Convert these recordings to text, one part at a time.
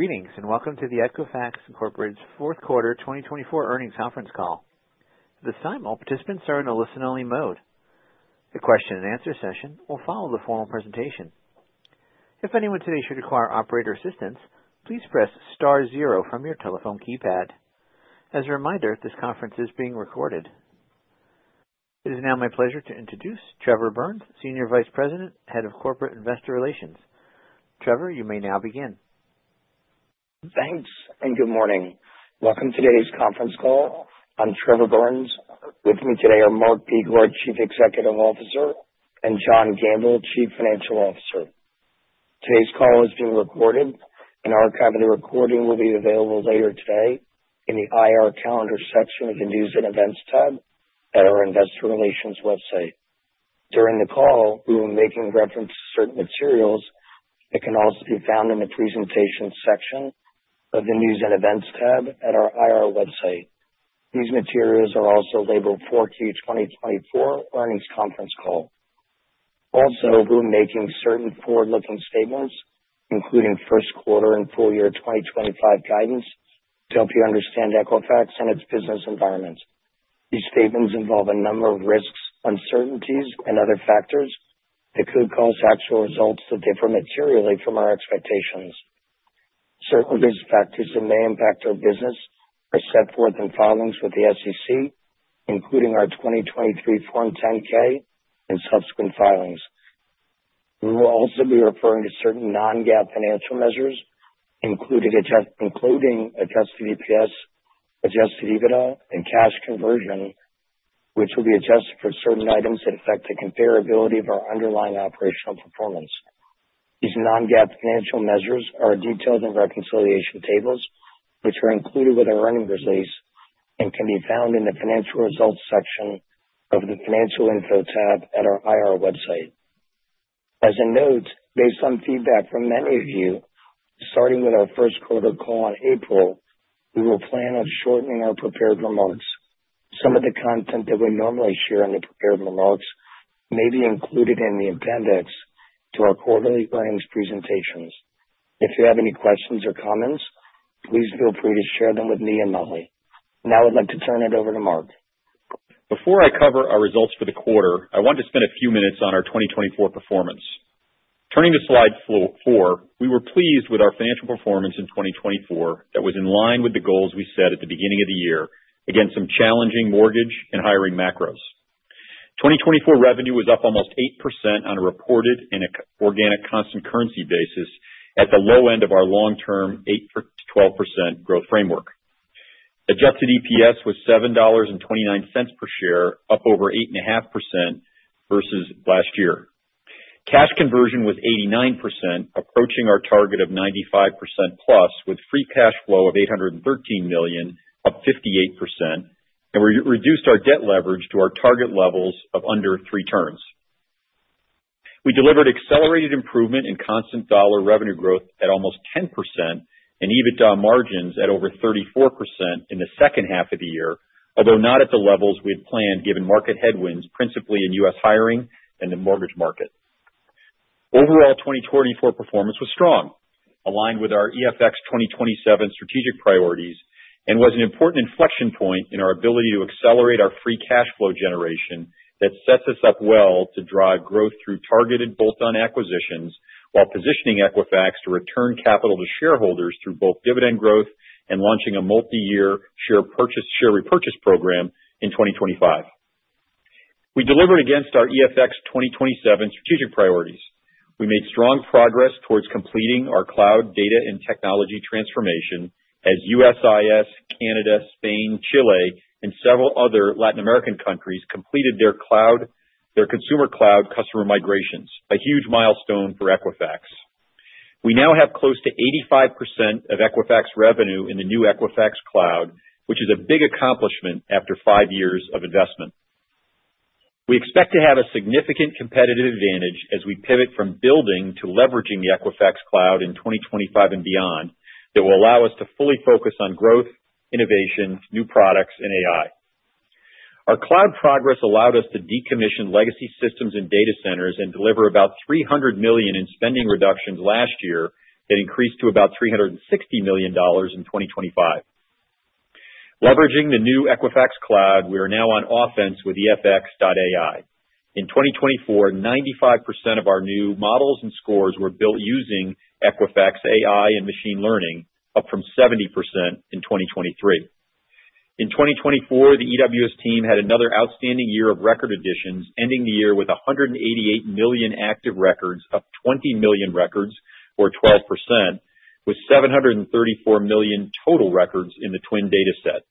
Greetings and Welcome to the Equifax Incorporated's Fourth Quarter 2024 Earnings Conference Call. At this time, all participants are in a listen-only mode. The question-and-answer session will follow the formal presentation. If anyone today should require operator assistance, please press star zero from your telephone keypad. As a reminder, this conference is being recorded. It is now my pleasure to introduce Trevor Burns, Senior Vice President, Head of Corporate Investor Relations. Trevor, you may now begin. Thanks and good morning. Welcome to today's conference call. I'm Trevor Burns. With me today are Mark Begor, Chief Executive Officer, and John Gamble, Chief Financial Officer. Today's call is being recorded, and archiving the recording will be available later today in the IR calendar section of the News and Events tab at our Investor Relations website. During the call, we will be making reference to certain materials that can also be found in the presentation section of the News and Events tab at our IR website. These materials are also labeled 4Q2024 Earnings Conference Call. Also, we'll be making certain forward-looking statements, including first quarter and full year 2025 guidance, to help you understand Equifax and its business environment. These statements involve a number of risks, uncertainties, and other factors that could cause actual results to differ materially from our expectations. Certain risk factors that may impact our business are set forth in filings with the SEC, including our 2023 Form 10-K and subsequent filings. We will also be referring to certain non-GAAP financial measures, including Adjusted EPS, Adjusted EBITDA, and Cash Conversion, which will be adjusted for certain items that affect the comparability of our underlying operational performance. These non-GAAP financial measures are detailed in reconciliation tables, which are included with our earnings release and can be found in the financial results section of the Financial Info tab at our IR website. As a note, based on feedback from many of you, starting with our first quarter call in April, we will plan on shortening our prepared remarks. Some of the content that we normally share in the prepared remarks may be included in the appendix to our quarterly earnings presentations. If you have any questions or comments, please feel free to share them with me and Molly. Now I'd like to turn it over to Mark. Before I cover our results for the quarter, I want to spend a few minutes on our 2024 performance. Turning to slide four, we were pleased with our financial performance in 2024 that was in line with the goals we set at the beginning of the year against some challenging mortgage and hiring macros. 2024 revenue was up almost 8% on a reported and organic constant currency basis at the low end of our long-term 8%-12% growth framework. Adjusted EPS was $7.29 per share, up over 8.5% versus last year. Cash conversion was 89%, approaching our target of 95% plus, with free cash flow of $813 million, up 58%, and we reduced our debt leverage to our target levels of under three turns. We delivered accelerated improvement in constant dollar revenue growth at almost 10% and EBITDA margins at over 34% in the second half of the year, although not at the levels we had planned given market headwinds principally in U.S. hiring and the mortgage market. Overall, 2024 performance was strong, aligned with our EFX 2027 strategic priorities, and was an important inflection point in our ability to accelerate our free cash flow generation that sets us up well to drive growth through targeted bolt-on acquisitions while positioning Equifax to return capital to shareholders through both dividend growth and launching a multi-year share repurchase program in 2025. We delivered against our EFX 2027 strategic priorities. We made strong progress towards completing our cloud data and technology transformation as USIS, Canada, Spain, Chile, and several other Latin American countries completed their consumer cloud customer migrations, a huge milestone for Equifax. We now have close to 85% of Equifax revenue in the new Equifax Cloud, which is a big accomplishment after five years of investment. We expect to have a significant competitive advantage as we pivot from building to leveraging the Equifax Cloud in 2025 and beyond that will allow us to fully focus on growth, innovation, new products, and AI. Our cloud progress allowed us to decommission legacy systems and data centers and deliver about $300 million in spending reductions last year that increased to about $360 million in 2025. Leveraging the new Equifax Cloud, we are now on offense with EFX.AI. In 2024, 95% of our new models and scores were built using Equifax AI and machine learning, up from 70% in 2023. In 2024, the EWS team had another outstanding year of record additions, ending the year with 188 million active records, up 20 million records, or 12%, with 734 million total records in the TWN data set.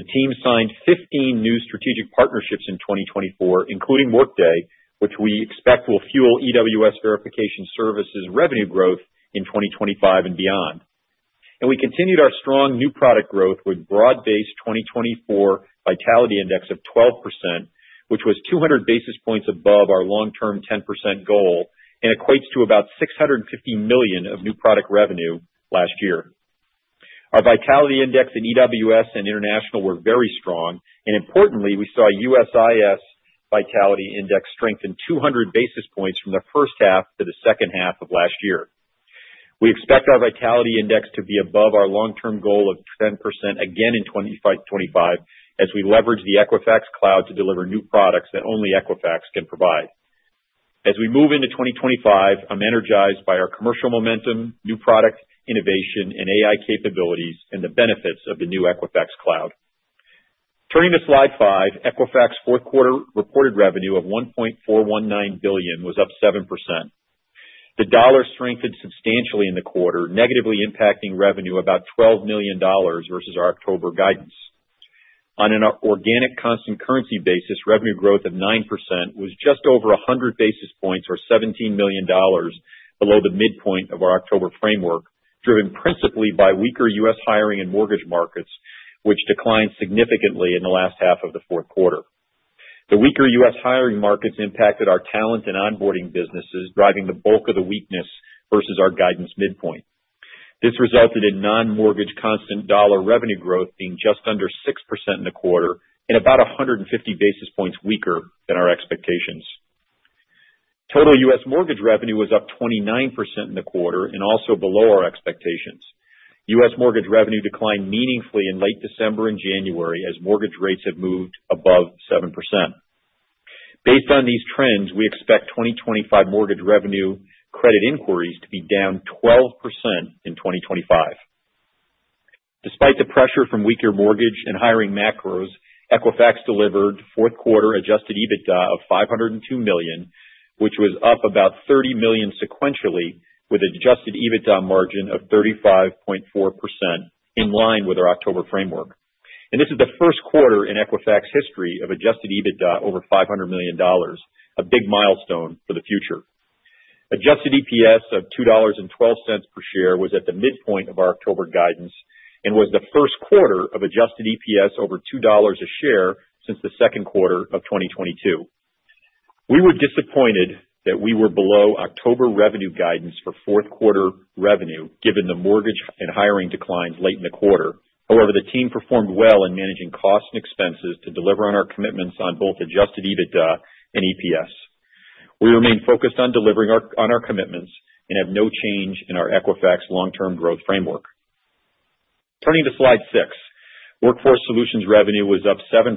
The team signed 15 new strategic partnerships in 2024, including Workday, which we expect will fuel EWS verification services revenue growth in 2025 and beyond, and we continued our strong new product growth with broad-based 2024 Vitality Index of 12%, which was 200 basis points above our long-term 10% goal and equates to about $650 million of new product revenue last year. Our Vitality Index in EWS and international were very strong, and importantly, we saw USIS Vitality Index strengthen 200 basis points from the first half to the second half of last year. We expect our Vitality Index to be above our long-term goal of 10% again in 2025 as we leverage the Equifax Cloud to deliver new products that only Equifax can provide. As we move into 2025, I'm energized by our commercial momentum, new product innovation, and AI capabilities and the benefits of the new Equifax Cloud. Turning to slide five, Equifax's fourth quarter reported revenue of $1.419 billion was up 7%. The dollar strengthened substantially in the quarter, negatively impacting revenue about $12 million versus our October guidance. On an organic constant currency basis, revenue growth of 9% was just over 100 basis points, or $17 million below the midpoint of our October framework, driven principally by weaker U.S. hiring and mortgage markets, which declined significantly in the last half of the fourth quarter. The weaker U.S. Hiring markets impacted our talent and onboarding businesses, driving the bulk of the weakness versus our guidance midpoint. This resulted in non-mortgage constant dollar revenue growth being just under 6% in the quarter and about 150 basis points weaker than our expectations. Total U.S. mortgage revenue was up 29% in the quarter and also below our expectations. U.S. mortgage revenue declined meaningfully in late December and January as mortgage rates have moved above 7%. Based on these trends, we expect 2025 mortgage revenue credit inquiries to be down 12% in 2025. Despite the pressure from weaker mortgage and hiring macros, Equifax delivered fourth quarter Adjusted EBITDA of $502 million, which was up about $30 million sequentially, with an Adjusted EBITDA margin of 35.4%, in line with our October framework, and this is the first quarter in Equifax history of Adjusted EBITDA over $500 million, a big milestone for the future. Adjusted EPS of $2.12 per share was at the midpoint of our October guidance and was the first quarter of adjusted EPS over $2 a share since the second quarter of 2022. We were disappointed that we were below October revenue guidance for fourth quarter revenue given the mortgage and hiring declines late in the quarter. However, the team performed well in managing costs and expenses to deliver on our commitments on both adjusted EBITDA and EPS. We remain focused on delivering on our commitments and have no change in our Equifax long-term growth framework. Turning to slide six, Workforce Solutions revenue was up 7%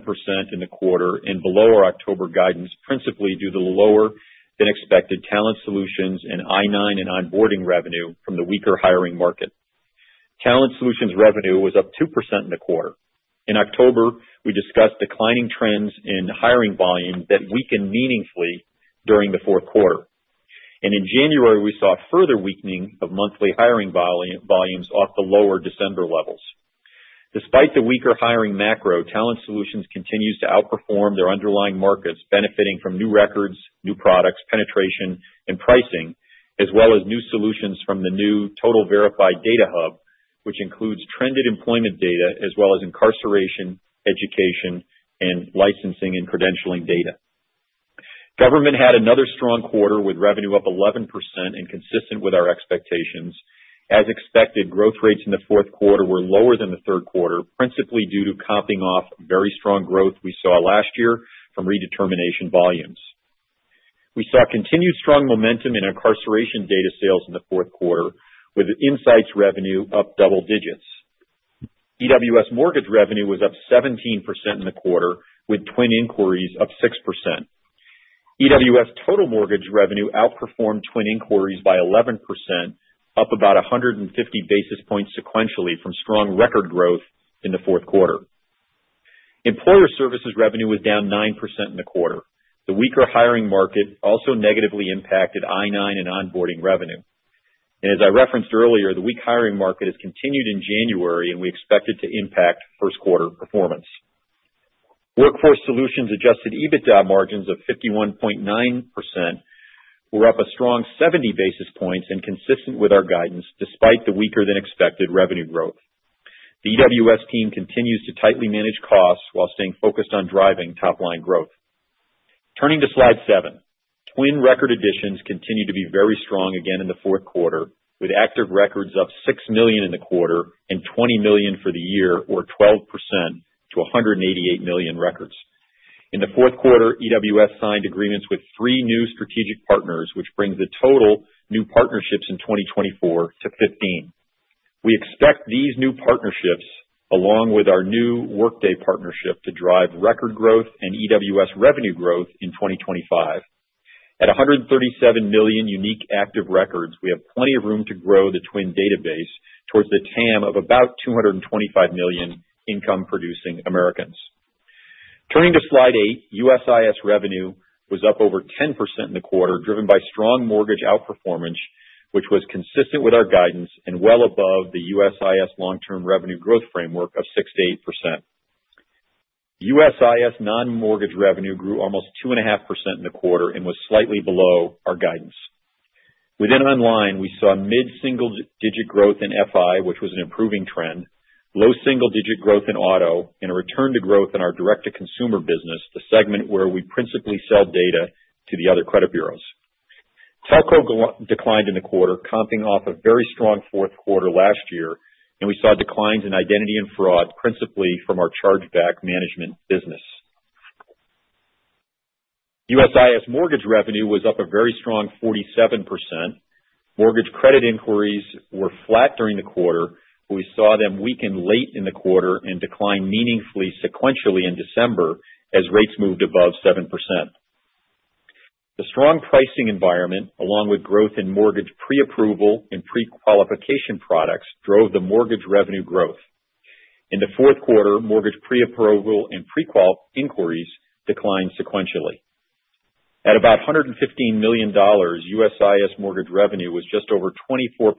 in the quarter and below our October guidance, principally due to the lower-than-expected Talent Solutions and I-9 and onboarding revenue from the weaker hiring market. Talent Solutions revenue was up 2% in the quarter. In October, we discussed declining trends in hiring volume that weakened meaningfully during the fourth quarter, and in January, we saw further weakening of monthly hiring volumes off the lower December levels. Despite the weaker hiring macro, Talent Solutions continues to outperform their underlying markets, benefiting from new records, new products, penetration, and pricing, as well as new solutions from the new TotalVerify Data Hub, which includes trended employment data as well as incarceration, education, and licensing and credentialing data. Government had another strong quarter with revenue up 11% and consistent with our expectations. As expected, growth rates in the fourth quarter were lower than the third quarter, principally due to comping off very strong growth we saw last year from redetermination volumes. We saw continued strong momentum in incarceration data sales in the fourth quarter, with insights revenue up double digits. EWS mortgage revenue was up 17% in the quarter, with TWN inquiries up 6%. EWS total mortgage revenue outperformed TWN inquiries by 11%, up about 150 basis points sequentially from strong record growth in the fourth quarter. Employer services revenue was down 9% in the quarter. The weaker hiring market also negatively impacted I-9 and onboarding revenue, and as I referenced earlier, the weak hiring market has continued in January, and we expect it to impact first quarter performance. Workforce solutions adjusted EBITDA margins of 51.9% were up a strong 70 basis points and consistent with our guidance, despite the weaker-than-expected revenue growth. The EWS team continues to tightly manage costs while staying focused on driving top-line growth. Turning to slide seven, TWN record additions continue to be very strong again in the fourth quarter, with active records up six million in the quarter and 20 million for the year, or 12% to 188 million records. In the fourth quarter, EWS signed agreements with three new strategic partners, which brings the total new partnerships in 2024 to 15. We expect these new partnerships, along with our new Workday partnership, to drive record growth and EWS revenue growth in 2025. At 137 million unique active records, we have plenty of room to grow the TWN database towards the TAM of about 225 million income-producing Americans. Turning to slide eight, USIS revenue was up over 10% in the quarter, driven by strong mortgage outperformance, which was consistent with our guidance and well above the USIS long-term revenue growth framework of 6%-8%. USIS non-mortgage revenue grew almost 2.5% in the quarter and was slightly below our guidance. Within online, we saw mid-single-digit growth in FI, which was an improving trend, low single-digit growth in auto, and a return to growth in our direct-to-consumer business, the segment where we principally sell data to the other credit bureaus. Telco declined in the quarter, comping off a very strong fourth quarter last year, and we saw declines in identity and fraud, principally from our chargeback management business. USIS mortgage revenue was up a very strong 47%. Mortgage credit inquiries were flat during the quarter, but we saw them weaken late in the quarter and decline meaningfully sequentially in December as rates moved above 7%. The strong pricing environment, along with growth in mortgage pre-approval and pre-qualification products, drove the mortgage revenue growth. In the fourth quarter, mortgage pre-approval and pre-qualification inquiries declined sequentially. At about $115 million, USIS mortgage revenue was just over 24%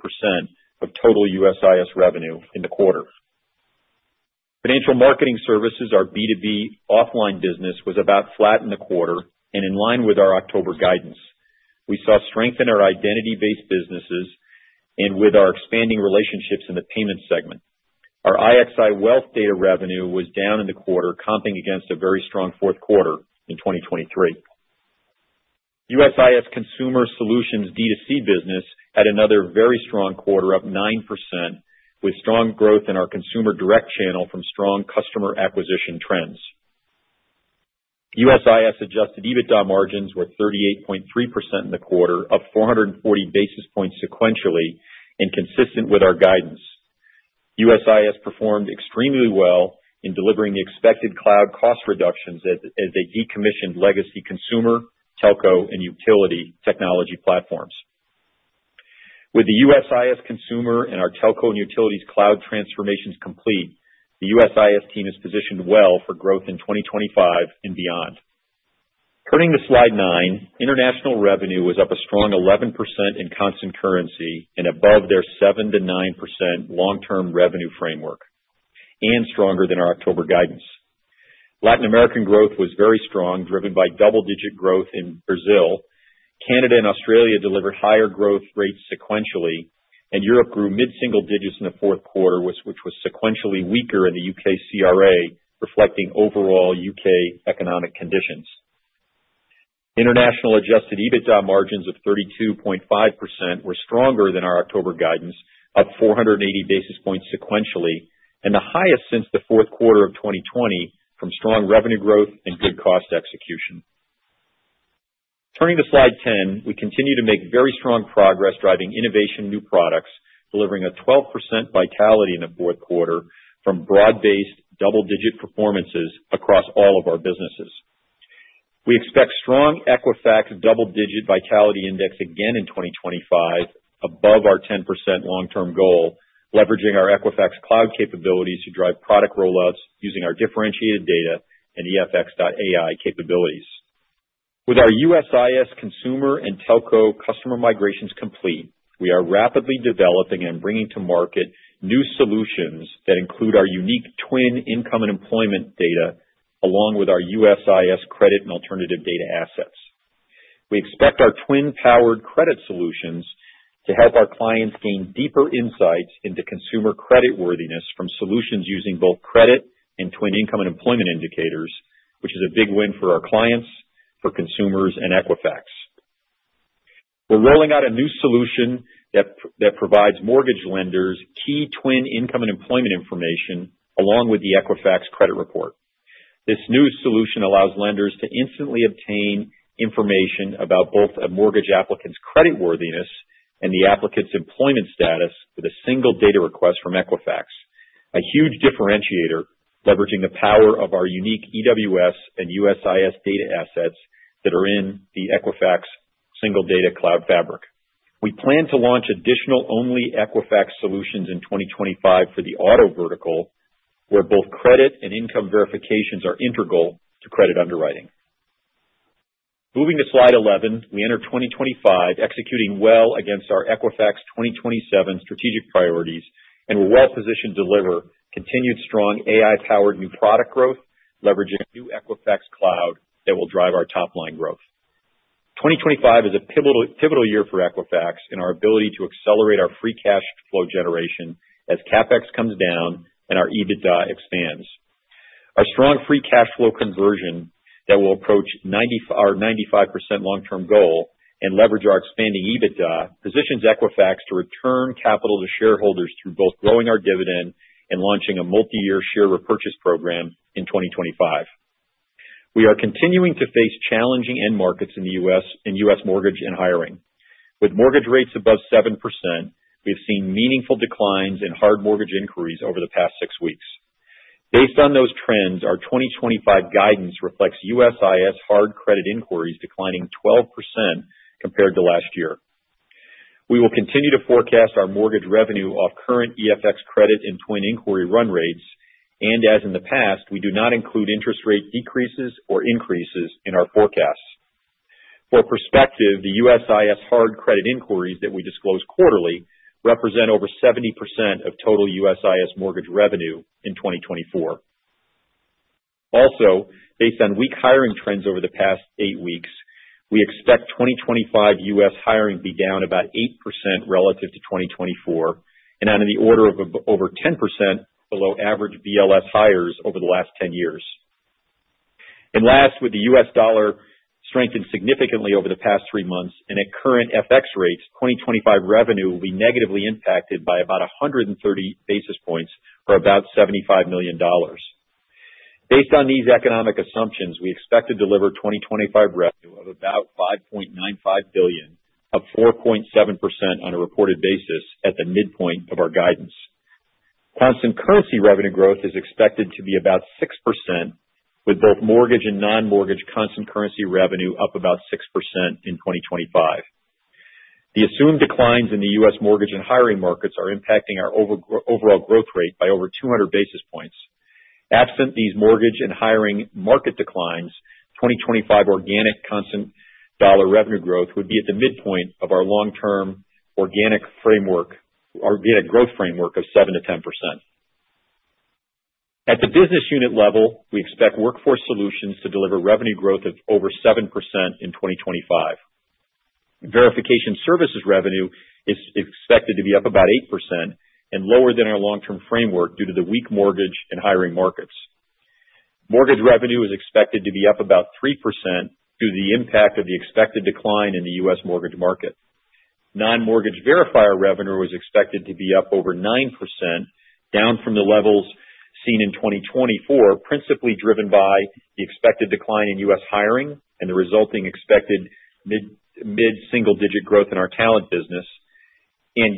of total USIS revenue in the quarter. Financial Marketing Services, our B2B offline business, was about flat in the quarter and in line with our October guidance. We saw strength in our identity-based businesses and with our expanding relationships in the payment segment. Our IXI wealth data revenue was down in the quarter, comping against a very strong fourth quarter in 2023. USIS consumer solutions D2C business had another very strong quarter of 9%, with strong growth in our consumer direct channel from strong customer acquisition trends. USIS Adjusted EBITDA margins were 38.3% in the quarter, up 440 basis points sequentially and consistent with our guidance. USIS performed extremely well in delivering the expected cloud cost reductions as they decommissioned legacy consumer, telco, and utility technology platforms. With the USIS consumer and our telco and utilities cloud transformations complete, the USIS team is positioned well for growth in 2025 and beyond. Turning to slide nine, international revenue was up a strong 11% in constant currency and above their 7%-9% long-term revenue framework, and stronger than our October guidance. Latin American growth was very strong, driven by double-digit growth in Brazil. Canada and Australia delivered higher growth rates sequentially, and Europe grew mid-single digits in the fourth quarter, which was sequentially weaker in the UK CRA, reflecting overall UK economic conditions. International adjusted EBITDA margins of 32.5% were stronger than our October guidance, up 480 basis points sequentially, and the highest since the fourth quarter of 2020 from strong revenue growth and good cost execution. Turning to slide 10, we continue to make very strong progress, driving innovative new products, delivering a 12% Vitality Index in the fourth quarter from broad-based double-digit performances across all of our businesses. We expect strong Equifax double-digit Vitality Index again in 2025, above our 10% long-term goal, leveraging our Equifax Cloud capabilities to drive product rollouts using our differentiated data and EFX.AI capabilities. With our USIS consumer and telco customer migrations complete, we are rapidly developing and bringing to market new solutions that include our unique TWN income and employment data, along with our USIS credit and alternative data assets. We expect our TWN powered credit solutions to help our clients gain deeper insights into consumer creditworthiness from solutions using both credit and TWN income and employment indicators, which is a big win for our clients, for consumers, and Equifax. We're rolling out a new solution that provides mortgage lenders key TWN income and employment information, along with the Equifax credit report. This new solution allows lenders to instantly obtain information about both a mortgage applicant's creditworthiness and the applicant's employment status with a single data request from Equifax, a huge differentiator, leveraging the power of our unique EWS and USIS data assets that are in the Equifax single data cloud fabric. We plan to launch additional Only Equifax solutions in 2025 for the auto vertical, where both credit and income verifications are integral to credit underwriting. Moving to slide 11, we enter 2025, executing well against our Equifax 2027 strategic priorities and will well position deliver continued strong AI-powered new product growth, leveraging new Equifax Cloud that will drive our top-line growth. 2025 is a pivotal year for Equifax in our ability to accelerate our free cash flow generation as CapEx comes down and our EBITDA expands. Our strong free cash flow conversion that will approach our 95% long-term goal and leverage our expanding EBITDA positions Equifax to return capital to shareholders through both growing our dividend and launching a multi-year share repurchase program in 2025. We are continuing to face challenging end markets in the U.S. in U.S. mortgage and hiring. With mortgage rates above 7%, we've seen meaningful declines in hard mortgage inquiries over the past six weeks. Based on those trends, our 2025 guidance reflects USIS hard credit inquiries declining 12% compared to last year. We will continue to forecast our mortgage revenue off current EFX credit and TWN inquiry run rates, and as in the past, we do not include interest rate decreases or increases in our forecasts. For perspective, the USIS hard credit inquiries that we disclose quarterly represent over 70% of total USIS mortgage revenue in 2024. Also, based on weak hiring trends over the past eight weeks, we expect 2025 US hiring to be down about 8% relative to 2024 and on the order of over 10% below average BLS hires over the last 10 years. And last, with the US dollar strengthened significantly over the past three months and at current FX rates, 2025 revenue will be negatively impacted by about 130 basis points or about $75 million. Based on these economic assumptions, we expect to deliver 2025 revenue of about $5.95 billion, up 4.7% on a reported basis at the midpoint of our guidance. Constant currency revenue growth is expected to be about 6%, with both mortgage and non-mortgage constant currency revenue up about 6% in 2025. The assumed declines in the U.S. mortgage and hiring markets are impacting our overall growth rate by over 200 basis points. Absent these mortgage and hiring market declines, 2025 organic constant dollar revenue growth would be at the midpoint of our long-term organic growth framework of 7%-10%. At the business unit level, we expect workforce solutions to deliver revenue growth of over 7% in 2025. Verification services revenue is expected to be up about 8% and lower than our long-term framework due to the weak mortgage and hiring markets. Mortgage revenue is expected to be up about 3% due to the impact of the expected decline in the U.S. mortgage market. Non-mortgage verifier revenue was expected to be up over 9%, down from the levels seen in 2024, principally driven by the expected decline in U.S. hiring and the resulting expected mid-single digit growth in our talent business.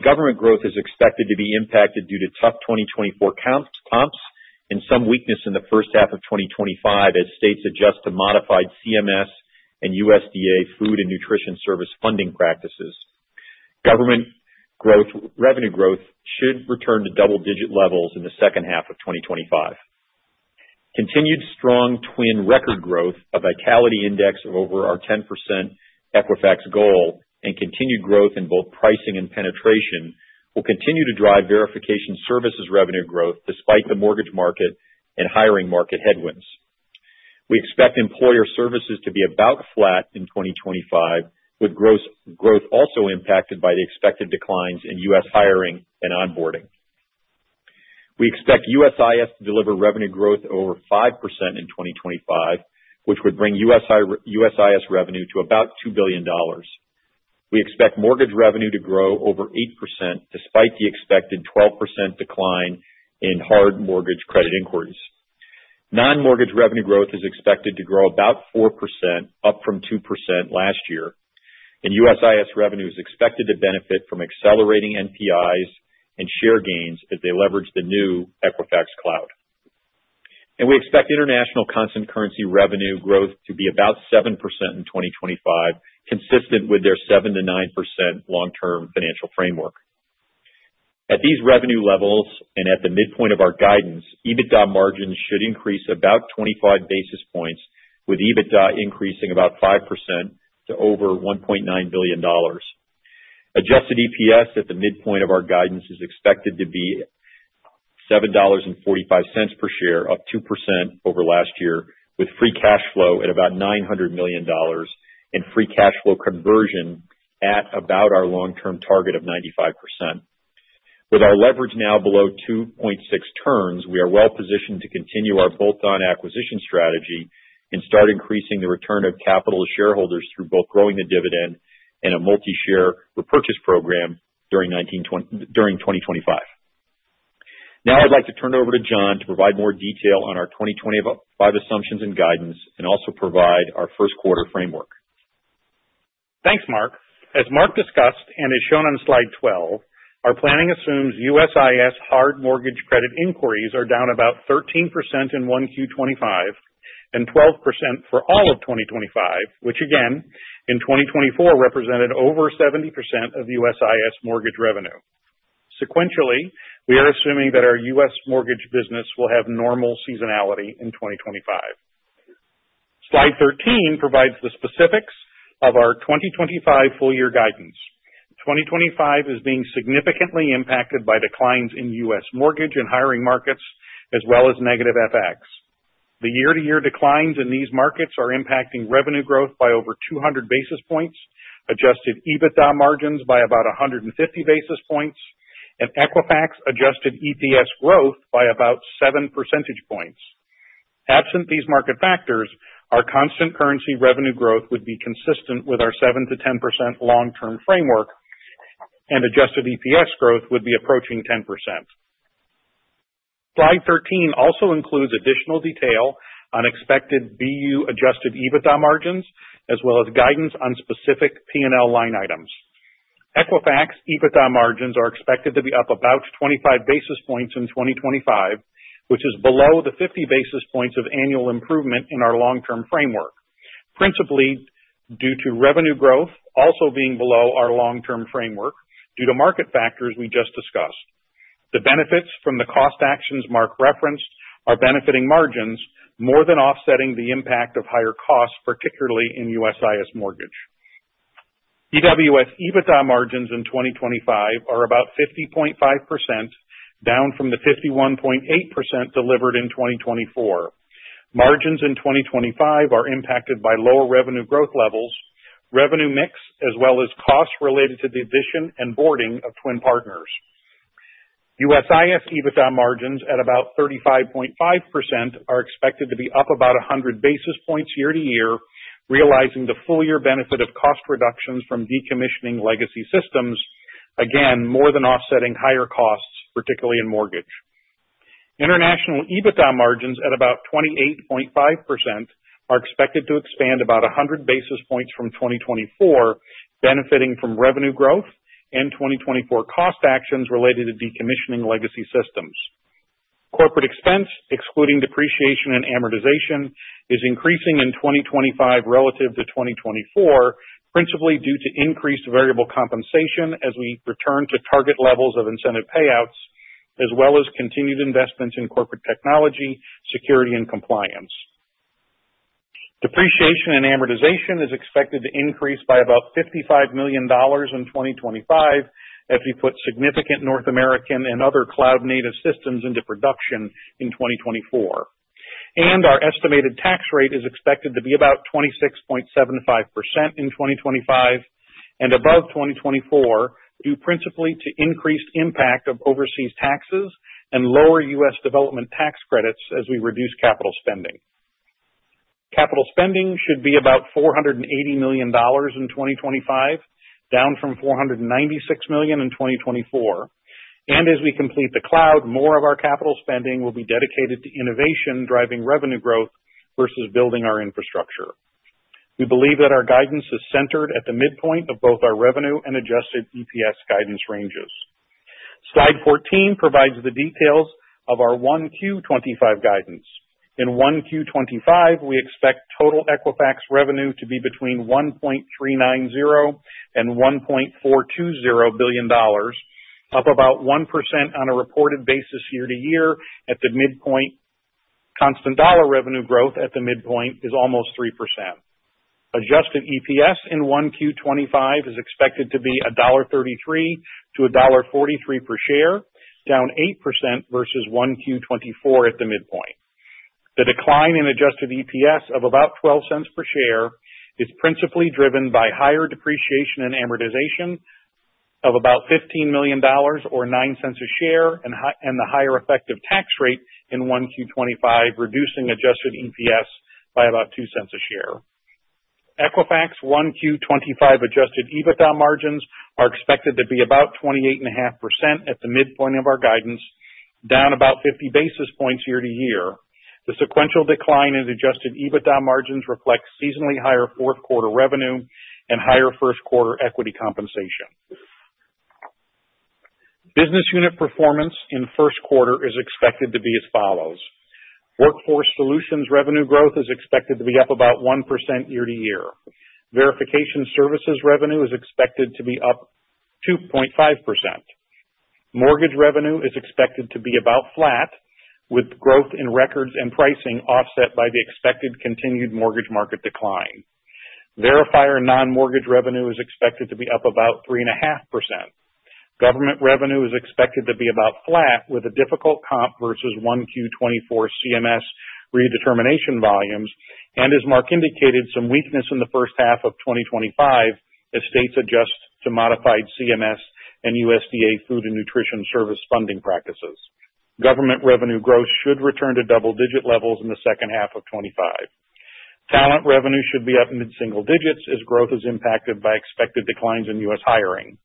Government growth is expected to be impacted due to tough 2024 comps and some weakness in the first half of 2025 as states adjust to modified CMS and USDA food and nutrition service funding practices. Government revenue growth should return to double-digit levels in the second half of 2025. Continued strong TWN record growth, a vitality index of over our 10% Equifax goal, and continued growth in both pricing and penetration will continue to drive verification services revenue growth despite the mortgage market and hiring market headwinds. We expect employer services to be about flat in 2025, with growth also impacted by the expected declines in U.S. hiring and onboarding. We expect USIS to deliver revenue growth of over 5% in 2025, which would bring USIS revenue to about $2 billion. We expect mortgage revenue to grow over 8% despite the expected 12% decline in hard mortgage credit inquiries. Non-mortgage revenue growth is expected to grow about 4%, up from 2% last year. USIS revenue is expected to benefit from accelerating NPIs and share gains as they leverage the new Equifax Cloud. We expect international constant currency revenue growth to be about 7% in 2025, consistent with their 7%-9% long-term financial framework. At these revenue levels and at the midpoint of our guidance, EBITDA margins should increase about 25 basis points, with EBITDA increasing about 5% to over $1.9 billion. Adjusted EPS at the midpoint of our guidance is expected to be $7.45 per share, up 2% over last year, with free cash flow at about $900 million and free cash flow conversion at about our long-term target of 95%. With our leverage now below 2.6 turns, we are well positioned to continue our bolt-on acquisition strategy and start increasing the return of capital to shareholders through both growing the dividend and a multi-year share repurchase program during 2025. Now I'd like to turn it over to John to provide more detail on our 2025 assumptions and guidance, and also provide our first quarter framework. Thanks, Mark. As Mark discussed and is shown on slide 12, our planning assumes USIS hard mortgage credit inquiries are down about 13% in 1Q25 and 12% for all of 2025, which again in 2024 represented over 70% of USIS mortgage revenue. Sequentially, we are assuming that our US mortgage business will have normal seasonality in 2025. Slide 13 provides the specifics of our 2025 full-year guidance. 2025 is being significantly impacted by declines in US mortgage and hiring markets, as well as negative FX. The year-to-year declines in these markets are impacting revenue growth by over 200 basis points, adjusted EBITDA margins by about 150 basis points, and Equifax adjusted EPS growth by about 7 percentage points. Absent these market factors, our constant currency revenue growth would be consistent with our 7%-10% long-term framework, and adjusted EPS growth would be approaching 10%. Slide 13 also includes additional detail on expected BU adjusted EBITDA margins, as well as guidance on specific P&L line items. Equifax EBITDA margins are expected to be up about 25 basis points in 2025, which is below the 50 basis points of annual improvement in our long-term framework, principally due to revenue growth also being below our long-term framework due to market factors we just discussed. The benefits from the cost actions Mark referenced are benefiting margins more than offsetting the impact of higher costs, particularly in USIS mortgage. EWS EBITDA margins in 2025 are about 50.5%, down from the 51.8% delivered in 2024. Margins in 2025 are impacted by lower revenue growth levels, revenue mix, as well as costs related to the addition and onboarding of TWN partners. USIS EBITDA margins at about 35.5% are expected to be up about 100 basis points year to year, realizing the full-year benefit of cost reductions from decommissioning legacy systems, again more than offsetting higher costs, particularly in mortgage. International EBITDA margins at about 28.5% are expected to expand about 100 basis points from 2024, benefiting from revenue growth and 2024 cost actions related to decommissioning legacy systems. Corporate expense, excluding depreciation and amortization, is increasing in 2025 relative to 2024, principally due to increased variable compensation as we return to target levels of incentive payouts, as well as continued investments in corporate technology, security, and compliance. Depreciation and amortization is expected to increase by about $55 million in 2025 if we put significant North American and other cloud-native systems into production in 2024, and our estimated tax rate is expected to be about 26.75% in 2025 and above 2024, due principally to increased impact of overseas taxes and lower U.S. development tax credits as we reduce capital spending. Capital spending should be about $480 million in 2025, down from $496 million in 2024, and as we complete the cloud, more of our capital spending will be dedicated to innovation driving revenue growth versus building our infrastructure. We believe that our guidance is centered at the midpoint of both our revenue and adjusted EPS guidance ranges. Slide 14 provides the details of our 1Q25 guidance. In 1Q25, we expect total Equifax revenue to be between $1.390-$1.420 billion, up about 1% on a reported basis year to year at the midpoint. Constant dollar revenue growth at the midpoint is almost 3%. Adjusted EPS in 1Q25 is expected to be $1.33-$1.43 per share, down 8% versus 1Q24 at the midpoint. The decline in adjusted EPS of about $0.12 per share is principally driven by higher depreciation and amortization of about $15 million or $0.09 a share and the higher effective tax rate in 1Q25, reducing adjusted EPS by about $0.02 a share. Equifax 1Q25 adjusted EBITDA margins are expected to be about 28.5% at the midpoint of our guidance, down about 50 basis points year to year. The sequential decline in adjusted EBITDA margins reflects seasonally higher fourth quarter revenue and higher first quarter equity compensation. Business unit performance in first quarter is expected to be as follows. Workforce Solutions revenue growth is expected to be up about 1% year to year. Verification Services revenue is expected to be up 2.5%. Mortgage revenue is expected to be about flat, with growth in records and pricing offset by the expected continued mortgage market decline. Verification non-mortgage revenue is expected to be up about 3.5%. Government revenue is expected to be about flat with a difficult comp versus 1Q24 CMS redetermination volumes, and as Mark indicated, some weakness in the first half of 2025 as states adjust to modified CMS and USDA food and nutrition service funding practices. Government revenue growth should return to double-digit levels in the second half of 2025. Talent revenue should be up mid-single digits as growth is impacted by expected declines in U.S. hiring.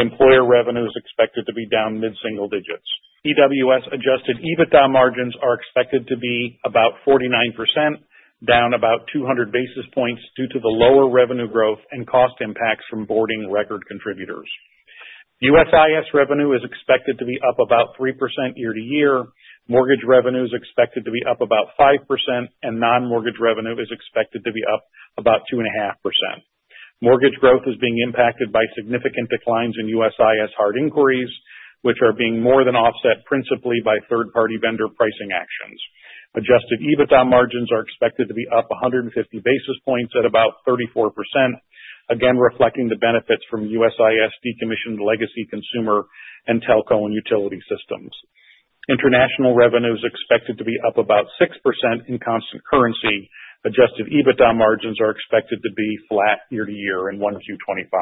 Employer revenue is expected to be down mid-single digits. EWS adjusted EBITDA margins are expected to be about 49%, down about 200 basis points due to the lower revenue growth and cost impacts from boarding record contributors. USIS revenue is expected to be up about 3% year to year. Mortgage revenue is expected to be up about 5%, and non-mortgage revenue is expected to be up about 2.5%. Mortgage growth is being impacted by significant declines in USIS hard inquiries, which are being more than offset principally by third-party vendor pricing actions. Adjusted EBITDA margins are expected to be up 150 basis points at about 34%, again reflecting the benefits from USIS decommissioned legacy consumer and telco and utility systems. International revenue is expected to be up about 6% in constant currency. Adjusted EBITDA margins are expected to be flat year to year in 1Q25.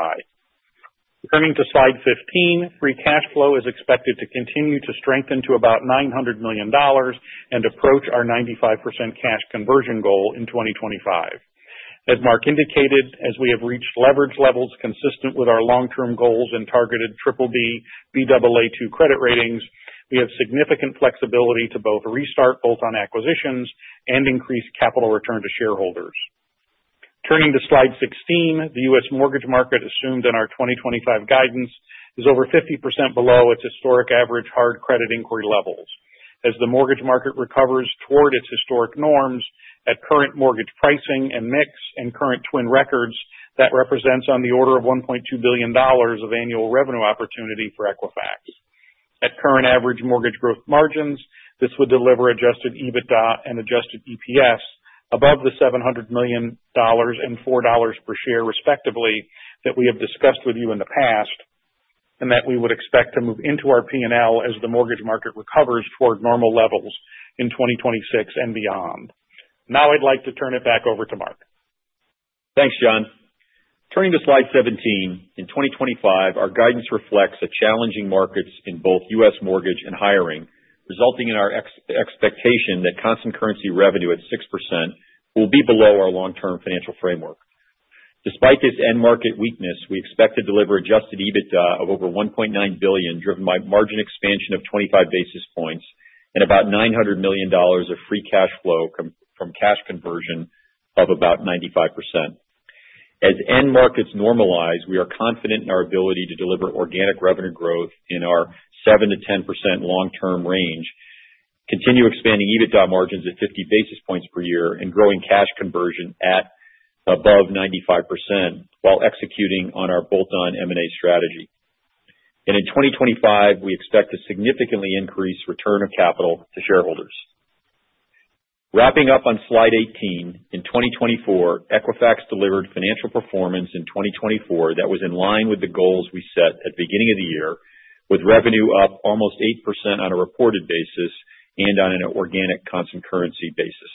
Turning to slide 15, free cash flow is expected to continue to strengthen to about $900 million and approach our 95% cash conversion goal in 2025. As Mark indicated, as we have reached leverage levels consistent with our long-term goals and targeted BBB Baa2 credit ratings, we have significant flexibility to both restart bolt-on acquisitions and increase capital return to shareholders. Turning to slide 16, the U.S. mortgage market assumed in our 2025 guidance is over 50% below its historic average hard credit inquiry levels. As the mortgage market recovers toward its historic norms at current mortgage pricing and mix and current TWN records, that represents on the order of $1.2 billion of annual revenue opportunity for Equifax. At current average mortgage growth margins, this would deliver adjusted EBITDA and adjusted EPS above the $700 million and $4 per share respectively that we have discussed with you in the past, and that we would expect to move into our P&L as the mortgage market recovers toward normal levels in 2026 and beyond. Now I'd like to turn it back over to Mark. Thanks, John. Turning to slide 17, in 2025, our guidance reflects a challenging market in both U.S. mortgage and hiring, resulting in our expectation that constant currency revenue at 6% will be below our long-term financial framework. Despite this end market weakness, we expect to deliver adjusted EBITDA of over $1.9 billion, driven by margin expansion of 25 basis points and about $900 million of free cash flow from cash conversion of about 95%. As end markets normalize, we are confident in our ability to deliver organic revenue growth in our 7%-10% long-term range, continue expanding EBITDA margins at 50 basis points per year and growing cash conversion at above 95% while executing on our bolt-on M&A strategy, and in 2025, we expect a significantly increased return of capital to shareholders. Wrapping up on slide 18, in 2024, Equifax delivered financial performance in 2024 that was in line with the goals we set at the beginning of the year, with revenue up almost 8% on a reported basis and on an organic constant currency basis.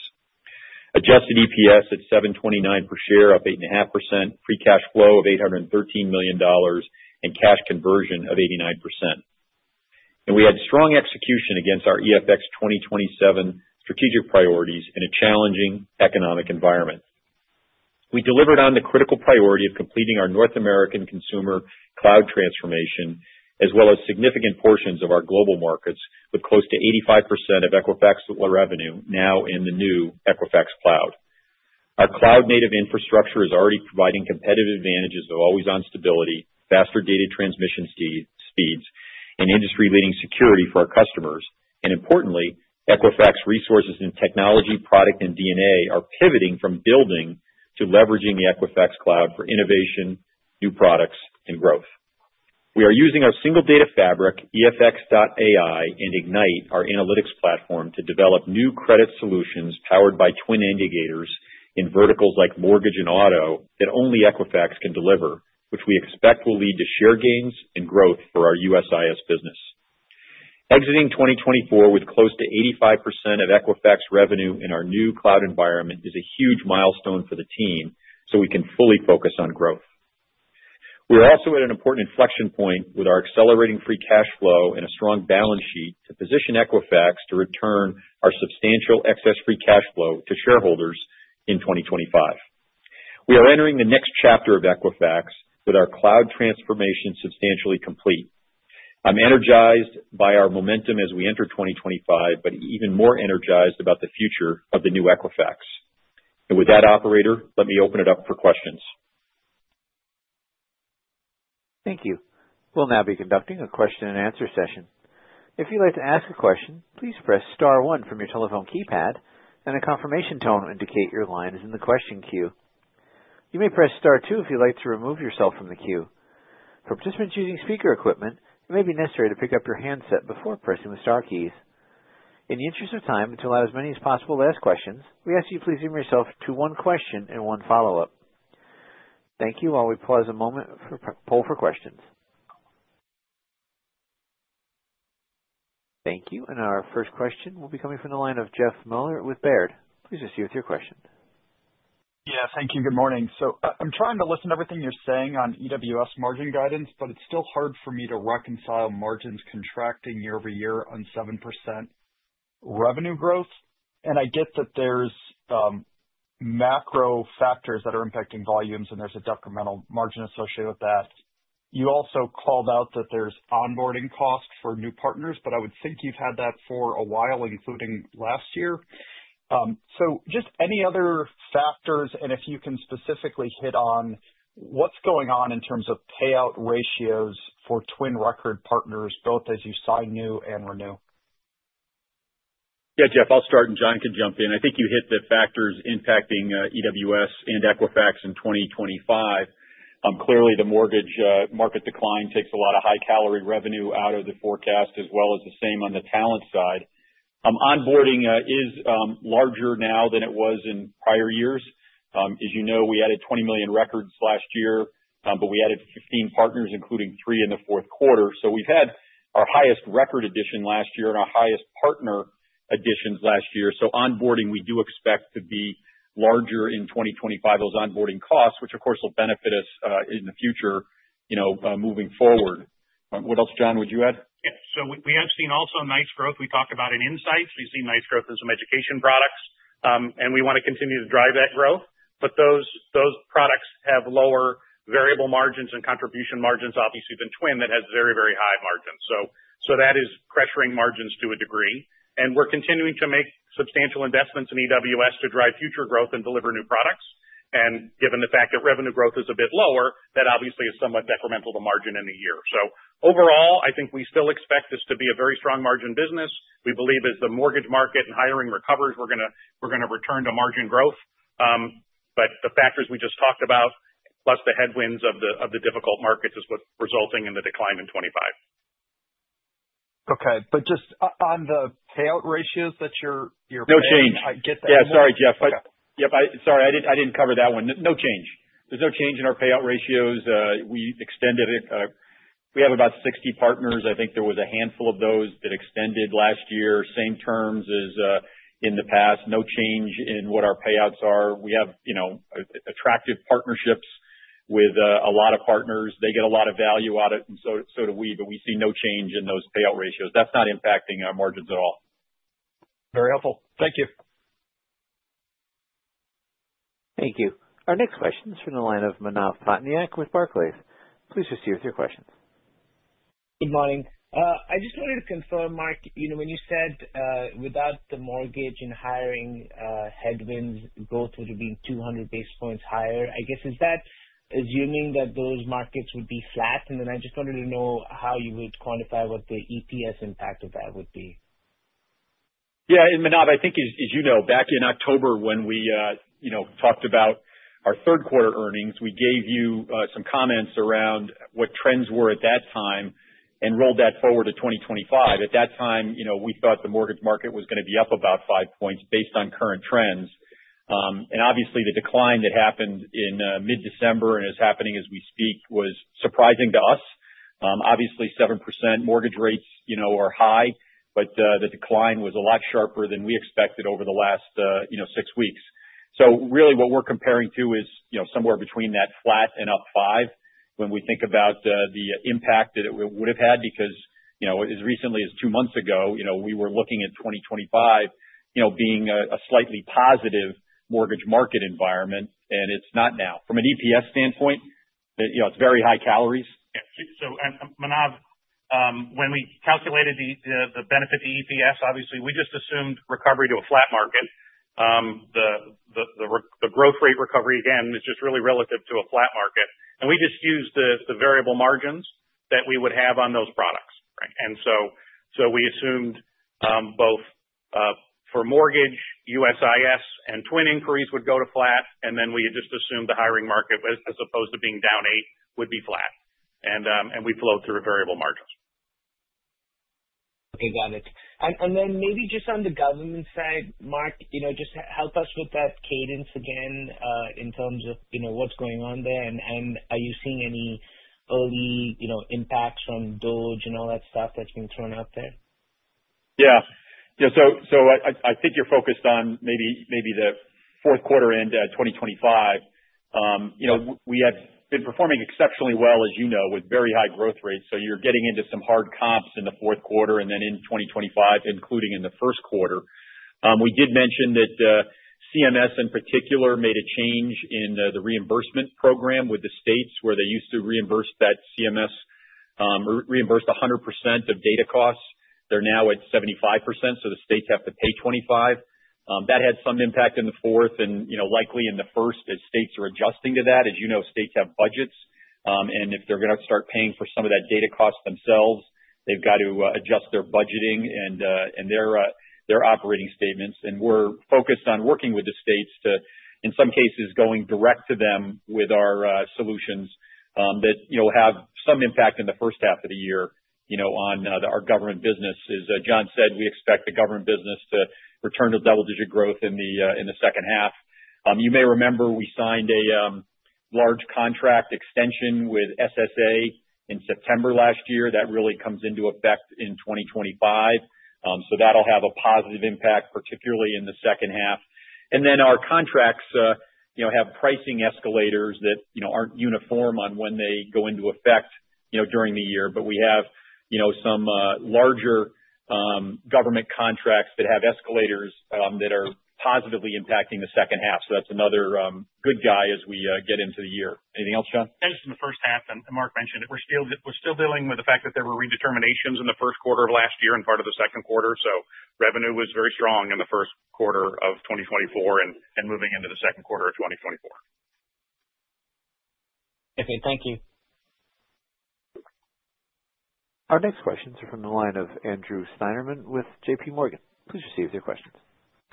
Adjusted EPS at $7.29 per share up 8.5%, free cash flow of $813 million, and cash conversion of 89%, and we had strong execution against our EFX 2027 strategic priorities in a challenging economic environment. We delivered on the critical priority of completing our North American consumer cloud transformation, as well as significant portions of our global markets, with close to 85% of Equifax revenue now in the new Equifax Cloud. Our cloud-native infrastructure is already providing competitive advantages of always-on stability, faster data transmission speeds, and industry-leading security for our customers, and importantly, Equifax resources and technology, product, and DNA are pivoting from building to leveraging the Equifax Cloud for innovation, new products, and growth. We are using our single data fabric, EFX.AI, and Ignite, our analytics platform, to develop new credit solutions powered by TWN indicators in verticals like mortgage and auto that only Equifax can deliver, which we expect will lead to share gains and growth for our USIS business. Exiting 2024 with close to 85% of Equifax revenue in our new cloud environment is a huge milestone for the team, so we can fully focus on growth. We're also at an important inflection point with our accelerating free cash flow and a strong balance sheet to position Equifax to return our substantial excess free cash flow to shareholders in 2025. We are entering the next chapter of Equifax with our cloud transformation substantially complete. I'm energized by our momentum as we enter 2025, but even more energized about the future of the new Equifax. And with that, Operator, let me open it up for questions. Thank you. We'll now be conducting a question-and-answer session. If you'd like to ask a question, please press star one from your telephone keypad, and a confirmation tone will indicate your line is in the question queue. You may press star two if you'd like to remove yourself from the queue. For participants using speaker equipment, it may be necessary to pick up your handset before pressing the Star keys. In the interest of time and to allow as many as possible to ask questions, we ask that you please limit yourself to one question and one follow-up. Thank you. While we pause a moment for a poll for questions. Thank you. And our first question will be coming from the line of Jeff Miller with Baird. Please proceed with your question. Yeah, thank you. Good morning. So I'm trying to listen to everything you're saying on EWS margin guidance, but it's still hard for me to reconcile margins contracting year over year on 7% revenue growth. And I get that there's macro factors that are impacting volumes, and there's a detrimental margin associated with that. You also called out that there's onboarding costs for new partners, but I would think you've had that for a while, including last year. So just any other factors, and if you can specifically hit on what's going on in terms of payout ratios for TWN record partners, both as you sign new and renew? Yeah, Jeff, I'll start, and John can jump in. I think you hit the factors impacting EWS and Equifax in 2025. Clearly, the mortgage market decline takes a lot of high-calorie revenue out of the forecast, as well as the same on the talent side. Onboarding is larger now than it was in prior years. As you know, we added 20 million records last year, but we added 15 partners, including three in the fourth quarter. So we've had our highest record addition last year and our highest partner additions last year. So, onboarding, we do expect to be larger in 2025, those onboarding costs, which, of course, will benefit us in the future moving forward. What else, John, would you add? Yeah. We have seen also nice growth. We talked about it in Insights. We have seen nice growth in some education products, and we want to continue to drive that growth. But those products have lower variable margins and contribution margins, obviously, than TWN that has very, very high margins. That is pressuring margins to a degree. We are continuing to make substantial investments in EWS to drive future growth and deliver new products. Given the fact that revenue growth is a bit lower, that obviously is somewhat detrimental to margin in the year. Overall, I think we still expect this to be a very strong margin business. We believe as the mortgage market and hiring recovers, we're going to return to margin growth. But the factors we just talked about, plus the headwinds of the difficult markets, is what's resulting in the decline in 2025. Okay. But just on the payout ratios that you're. No change. Yeah, sorry, Jeff. Yep. Sorry, I didn't cover that one. No change. There's no change in our payout ratios. We extended it. We have about 60 partners. I think there was a handful of those that extended last year, same terms as in the past. No change in what our payouts are. We have attractive partnerships with a lot of partners. They get a lot of value out of it, and so do we. But we see no change in those payout ratios. That's not impacting our margins at all. Very helpful. Thank you. Thank you. Our next question is from the line of Manav Patnaik with Barclays. Please proceed with your questions. Good morning. I just wanted to confirm, Mark, when you said without the mortgage and hiring, headwinds growth would have been 200 basis points higher, I guess is that assuming that those markets would be flat? And then I just wanted to know how you would quantify what the EPS impact of that would be. Yeah. And Manav, I think, as you know, back in October when we talked about our third quarter earnings, we gave you some comments around what trends were at that time and rolled that forward to 2025. At that time, we thought the mortgage market was going to be up about five points based on current trends. And obviously, the decline that happened in mid-December and is happening as we speak was surprising to us. Obviously, 7% mortgage rates are high, but the decline was a lot sharper than we expected over the last six weeks. So really, what we're comparing to is somewhere between that flat and up five when we think about the impact that it would have had because as recently as two months ago, we were looking at 2025 being a slightly positive mortgage market environment, and it's not now. From an EPS standpoint, it's very high calories. Yeah. So Manav, when we calculated the benefit to EPS, obviously, we just assumed recovery to a flat market. The growth rate recovery, again, is just really relative to a flat market. And we just used the variable margins that we would have on those products. And so we assumed both for mortgage, USIS, and TWN inquiries would go to flat, and then we just assumed the hiring market, as opposed to being down eight, would be flat. And we flowed through variable margins. Okay. Got it. And then maybe just on the government side, Mark, just help us with that cadence again in terms of what's going on there. And are you seeing any early impacts from DOGE and all that stuff that's been thrown out there? Yeah. Yeah. So I think you're focused on maybe the fourth quarter end 2025. We have been performing exceptionally well, as you know, with very high growth rates. So you're getting into some hard comps in the fourth quarter and then in 2025, including in the first quarter. We did mention that CMS, in particular, made a change in the reimbursement program with the states where they used to reimburse that CMS reimbursed 100% of data costs. They're now at 75%, so the states have to pay 25%. That had some impact in the fourth and likely in the first as states are adjusting to that. As you know, states have budgets, and if they're going to start paying for some of that data cost themselves, they've got to adjust their budgeting and their operating statements. We're focused on working with the states to, in some cases, going direct to them with our solutions that will have some impact in the first half of the year on our government business. As John said, we expect the government business to return to double-digit growth in the second half. You may remember we signed a large contract extension with SSA in September last year. That really comes into effect in 2025, so that'll have a positive impact, particularly in the second half, and then our contracts have pricing escalators that aren't uniform on when they go into effect during the year, but we have some larger government contracts that have escalators that are positively impacting the second half, so that's another good guy as we get into the year. Anything else, John? In the first half, and Mark mentioned it, we're still dealing with the fact that there were redeterminations in the first quarter of last year and part of the second quarter, so revenue was very strong in the first quarter of 2024 and moving into the second quarter of 2024. Okay. Thank you. Our next questions are from the line of Andrew Steinerman with J.P. Morgan. Please proceed with your questions.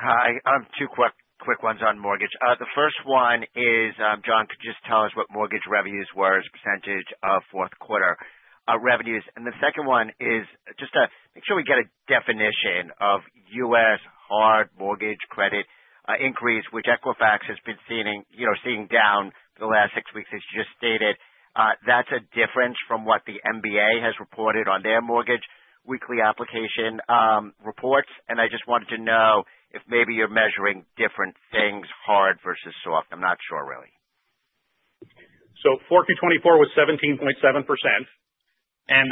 Hi. Two quick ones on mortgage. The first one is, John, could you just tell us what mortgage revenues were as a percentage of fourth quarter revenues? And the second one is just to make sure we get a definition of U.S. hard mortgage credit increase, which Equifax has been seeing down the last six weeks, as you just stated. That's a difference from what the MBA has reported on their mortgage weekly application reports. And I just wanted to know if maybe you're measuring different things, hard versus soft. I'm not sure, really. So Q4 '24 was 17.7%. And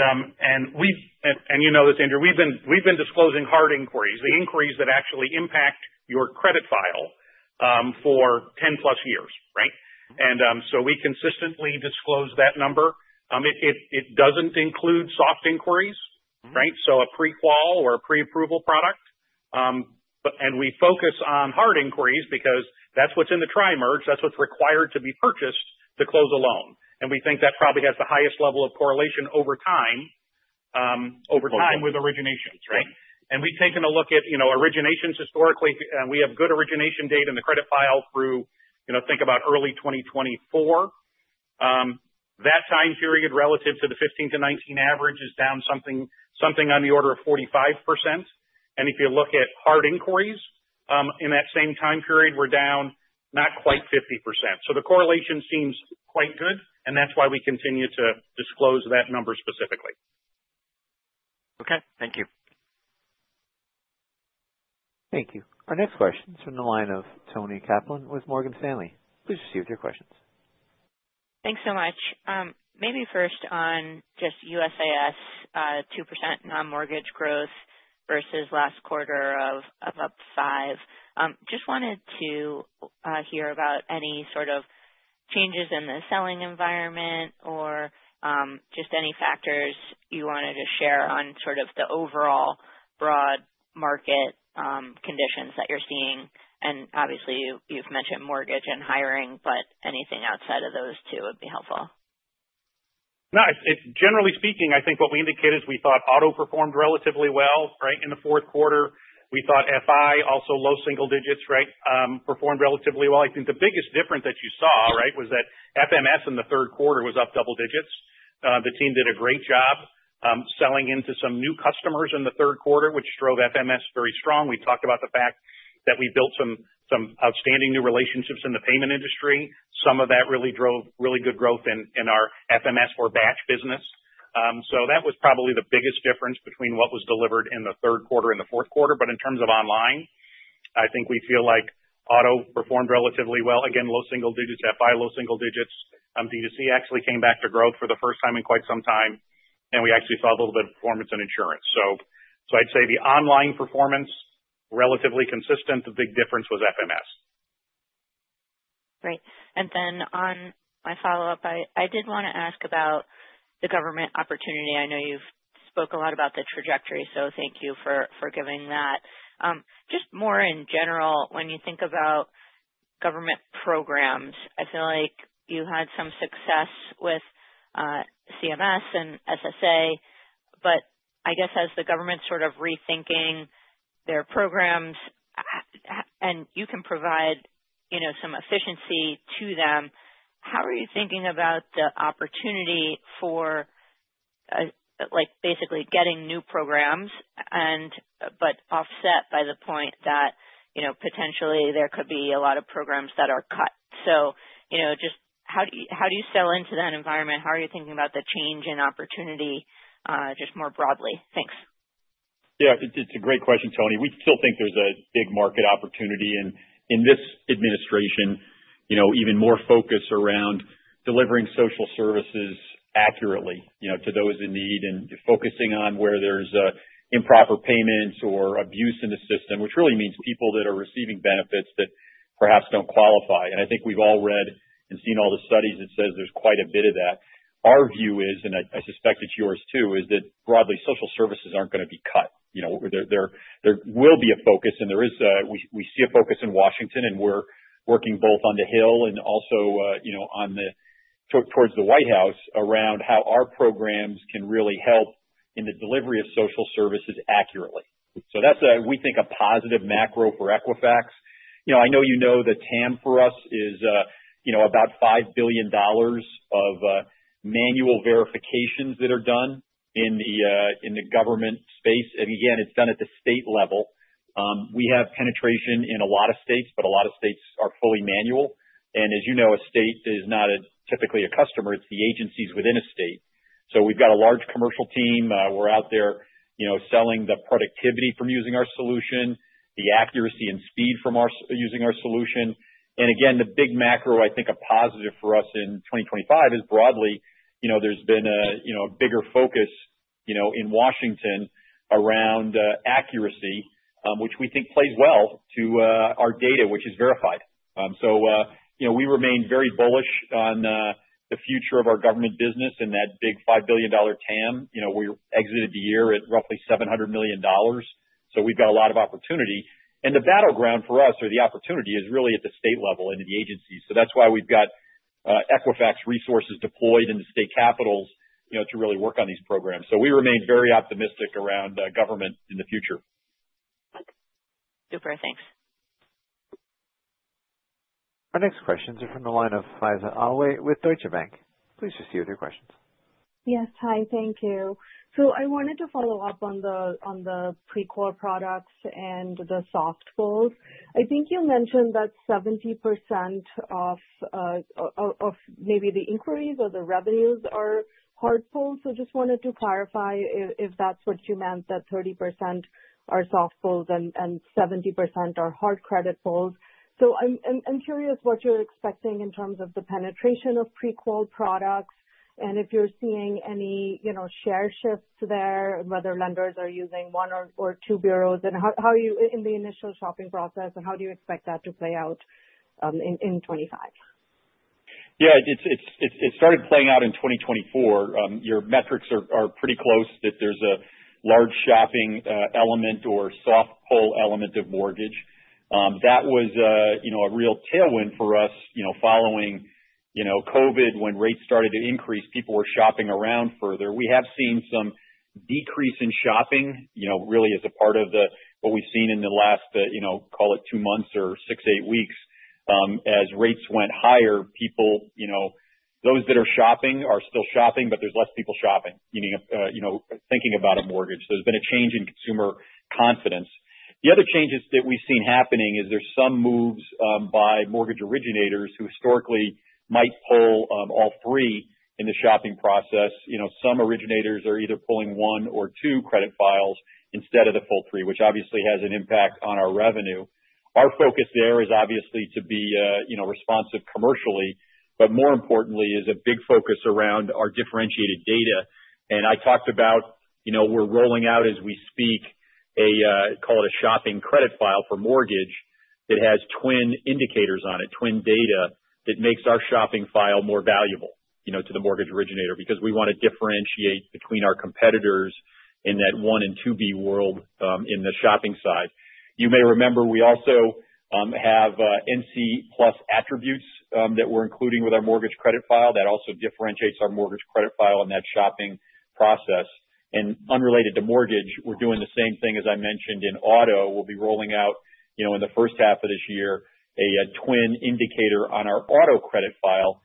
you know this, Andrew, we've been disclosing hard inquiries, the inquiries that actually impact your credit file for 10-plus years, right? And so we consistently disclose that number. It doesn't include soft inquiries, right? So a pre-qual or a pre-approval product. And we focus on hard inquiries because that's what's in the Tri-merge. That's what's required to be purchased to close a loan. And we think that probably has the highest level of correlation over time. Over time with originations, right? And we've taken a look at originations historically, and we have good origination data in the credit file through, think about early 2024. That time period relative to the 15 to 19 average is down something on the order of 45%. And if you look at hard inquiries in that same time period, we're down not quite 50%. So the correlation seems quite good, and that's why we continue to disclose that number specifically. Okay. Thank you. Thank you. Our next question is from the line of Toni Kaplan with Morgan Stanley. Please proceed with your questions. Thanks so much. Maybe first on just USIS 2% non-mortgage growth versus last quarter of up 5%. Just wanted to hear about any sort of changes in the selling environment or just any factors you wanted to share on sort of the overall broad market conditions that you're seeing. And obviously, you've mentioned mortgage and hiring, but anything outside of those two would be helpful. No. Generally speaking, I think what we indicated is we thought auto performed relatively well, right, in the fourth quarter. We thought FI, also low single digits, right, performed relatively well. I think the biggest difference that you saw, right, was that FMS in the third quarter was up double digits. The team did a great job selling into some new customers in the third quarter, which drove FMS very strong. We talked about the fact that we built some outstanding new relationships in the payment industry. Some of that really drove really good growth in our FMS or batch business. So that was probably the biggest difference between what was delivered in the third quarter and the fourth quarter. But in terms of online, I think we feel like auto performed relatively well. Again, low single digits, FI low single digits. D2C actually came back to growth for the first time in quite some time, and we actually saw a little bit of performance in insurance. So I'd say the online performance relatively consistent. The big difference was FMS. Great. And then on my follow-up, I did want to ask about the government opportunity. I know you've spoke a lot about the trajectory, so thank you for giving that. Just more in general, when you think about government programs, I feel like you had some success with CMS and SSA, but I guess as the government's sort of rethinking their programs, and you can provide some efficiency to them, how are you thinking about the opportunity for basically getting new programs but offset by the point that potentially there could be a lot of programs that are cut? So just how do you sell into that environment? How are you thinking about the change in opportunity just more broadly? Thanks. Yeah. It's a great question, Toni. We still think there's a big market opportunity in this administration, even more focus around delivering social services accurately to those in need and focusing on where there's improper payments or abuse in the system, which really means people that are receiving benefits that perhaps don't qualify. I think we've all read and seen all the studies that say there's quite a bit of that. Our view is, and I suspect it's yours too, is that broadly, social services aren't going to be cut. There will be a focus, and we see a focus in Washington, and we're working both on the Hill and also towards the White House around how our programs can really help in the delivery of social services accurately. So that's, we think, a positive macro for Equifax. I know you know the TAM for us is about $5 billion of manual verifications that are done in the government space. And again, it's done at the state level. We have penetration in a lot of states, but a lot of states are fully manual. And as you know, a state is not typically a customer. It's the agencies within a state. So we've got a large commercial team. We're out there selling the productivity from using our solution, the accuracy and speed from using our solution. And again, the big macro, I think, a positive for us in 2025 is broadly, there's been a bigger focus in Washington around accuracy, which we think plays well to our data, which is verified. So we remain very bullish on the future of our government business and that big $5 billion TAM. We exited the year at roughly $700 million. So we've got a lot of opportunity. And the battleground for us, or the opportunity, is really at the state level and at the agencies. So that's why we've got Equifax resources deployed in the state capitals to really work on these programs. So we remain very optimistic around government in the future. Super. Thanks. Our next questions are from the line of Faiza Alwy with Deutsche Bank. Please proceed with your questions. Yes. Hi. Thank you. So I wanted to follow up on the pre-qual products and the soft pulls. I think you mentioned that 70% of maybe the inquiries or the revenues are hard pulls. So just wanted to clarify if that's what you meant, that 30% are soft pulls and 70% are hard credit pulls. So I'm curious what you're expecting in terms of the penetration of pre-qual products and if you're seeing any share shifts there, whether lenders are using one or two bureaus, and in the initial shopping process, and how do you expect that to play out in 2025? Yeah. It started playing out in 2024. Your metrics are pretty close that there's a large shopping element or soft pull element of mortgage. That was a real tailwind for us following COVID when rates started to increase. People were shopping around further. We have seen some decrease in shopping, really, as a part of what we've seen in the last, call it, two months or six, eight weeks. As rates went higher, those that are shopping are still shopping, but there's less people shopping, thinking about a mortgage. There's been a change in consumer confidence. The other changes that we've seen happening is there's some moves by mortgage originators who historically might pull all three in the shopping process. Some originators are either pulling one or two credit files instead of the full three, which obviously has an impact on our revenue. Our focus there is obviously to be responsive commercially, but more importantly, is a big focus around our differentiated data. I talked about we're rolling out, as we speak, a, call it, a shopping credit file for mortgage that has TWN indicators on it, TWN data that makes our shopping file more valuable to the mortgage originator because we want to differentiate between our competitors in that one and two B world in the shopping side. You may remember we also have NC+ attributes that we're including with our mortgage credit file that also differentiates our mortgage credit file in that shopping process. Unrelated to mortgage, we're doing the same thing, as I mentioned, in auto. We'll be rolling out in the first half of this year a TWN indicator on our auto credit file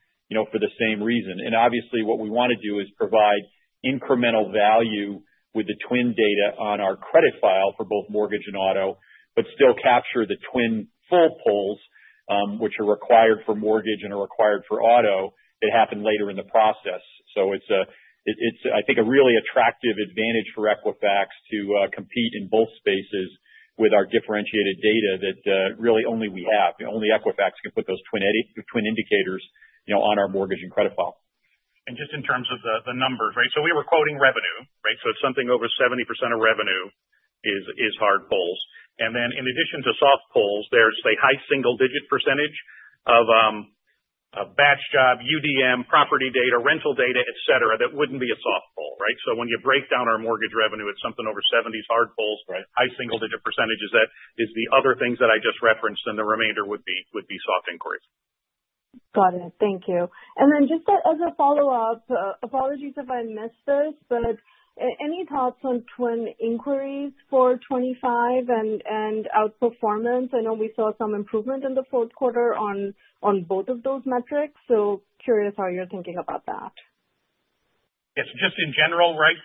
for the same reason. Obviously, what we want to do is provide incremental value with the TWN data on our credit file for both mortgage and auto, but still capture the TWN full pulls, which are required for mortgage and are required for auto that happen later in the process. So it's, I think, a really attractive advantage for Equifax to compete in both spaces with our differentiated data that really only we have. Only Equifax can put those TWN indicators on our mortgage and credit file. Just in terms of the numbers, right? We were quoting revenue, right? So it's something over 70% of revenue is hard pulls. Then in addition to soft pulls, there's a high single digit percentage of batch job, UDM, property data, rental data, etc., that wouldn't be a soft pull, right? So when you break down our mortgage revenue, it's something over 70% hard pulls, high single-digit percentages. That is the other things that I just referenced, and the remainder would be soft inquiries. Got it. Thank you. And then just as a follow-up, apologies if I missed this, but any thoughts on TWN inquiries for 2025 and outperformance? I know we saw some improvement in the fourth quarter on both of those metrics. So curious how you're thinking about that. Yes. Just in general, right,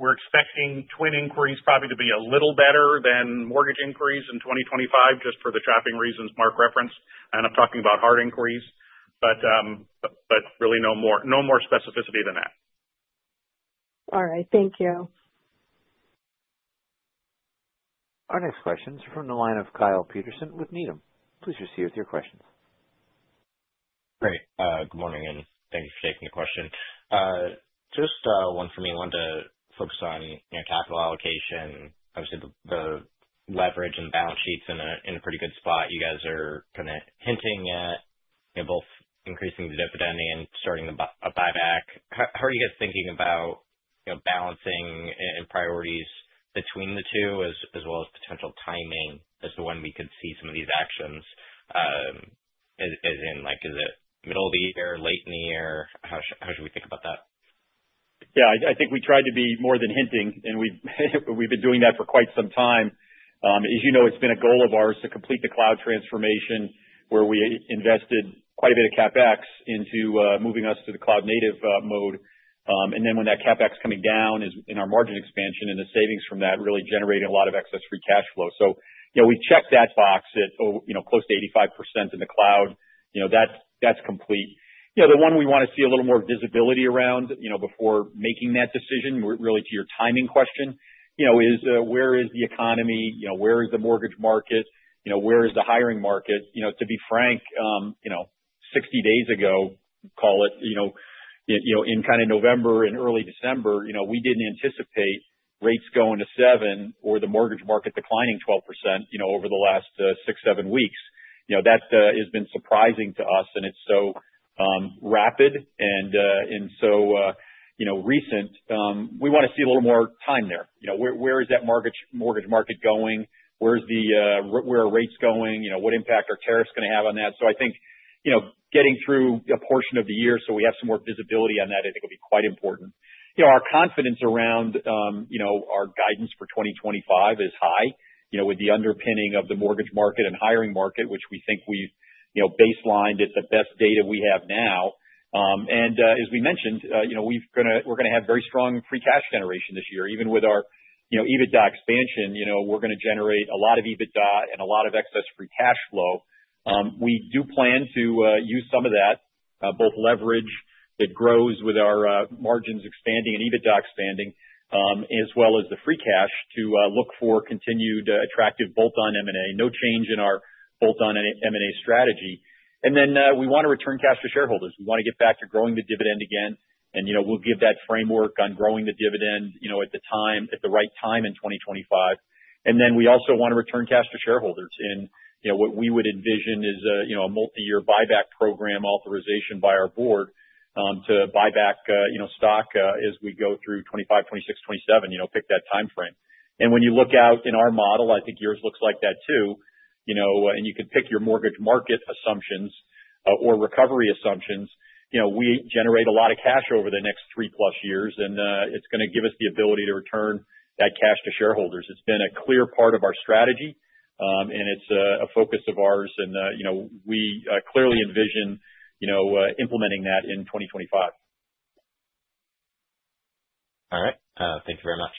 we're expecting TWN inquiries probably to be a little better than mortgage inquiries in 2025, just for the shopping reasons Mark referenced. And I'm talking about hard inquiries, but really no more specificity than that. All right. Thank you. Our next question is from the line of Kyle Peterson with Needham. Please proceed with your questions. Great. Good morning, and thanks for taking the question. Just one for me. I wanted to focus on capital allocation. Obviously, the leverage and balance sheets in a pretty good spot. You guys are kind of hinting at both increasing the dividend and starting a buyback. How are you guys thinking about balancing and priorities between the two, as well as potential timing as to when we could see some of these actions? As in, is it middle of the year, late in the year? How should we think about that? Yeah. I think we tried to be more than hinting, and we've been doing that for quite some time. As you know, it's been a goal of ours to complete the cloud transformation where we invested quite a bit of CapEx into moving us to the cloud-native mode. And then when that CapEx coming down is in our margin expansion, and the savings from that really generating a lot of excess free cash flow. So we checked that box at close to 85% in the cloud. That's complete. The one we want to see a little more visibility around before making that decision, really to your timing question, is where is the economy? Where is the mortgage market? Where is the hiring market? To be frank, 60 days ago, call it, in kind of November and early December, we didn't anticipate rates going to 7% or the mortgage market declining 12% over the last six, seven weeks. That has been surprising to us, and it's so rapid and so recent. We want to see a little more time there. Where is that mortgage market going? Where are rates going? What impact are tariffs going to have on that? I think getting through a portion of the year so we have some more visibility on that, I think, will be quite important. Our confidence around our guidance for 2025 is high with the underpinning of the mortgage market and hiring market, which we think we've baselined at the best data we have now. And as we mentioned, we're going to have very strong free cash generation this year. Even with our EBITDA expansion, we're going to generate a lot of EBITDA and a lot of excess free cash flow. We do plan to use some of that, both leverage that grows with our margins expanding and EBITDA expanding, as well as the free cash to look for continued attractive bolt-on M&A. No change in our bolt-on M&A strategy. And then we want to return cash to shareholders. We want to get back to growing the dividend again, and we'll give that framework on growing the dividend at the right time in 2025. And then we also want to return cash to shareholders. And what we would envision is a multi-year buyback program authorization by our board to buy back stock as we go through 2025, 2026, 2027, pick that time frame. And when you look out in our model, I think yours looks like that too, and you can pick your mortgage market assumptions or recovery assumptions. We generate a lot of cash over the next three-plus years, and it's going to give us the ability to return that cash to shareholders. It's been a clear part of our strategy, and it's a focus of ours, and we clearly envision implementing that in 2025. All right. Thank you very much.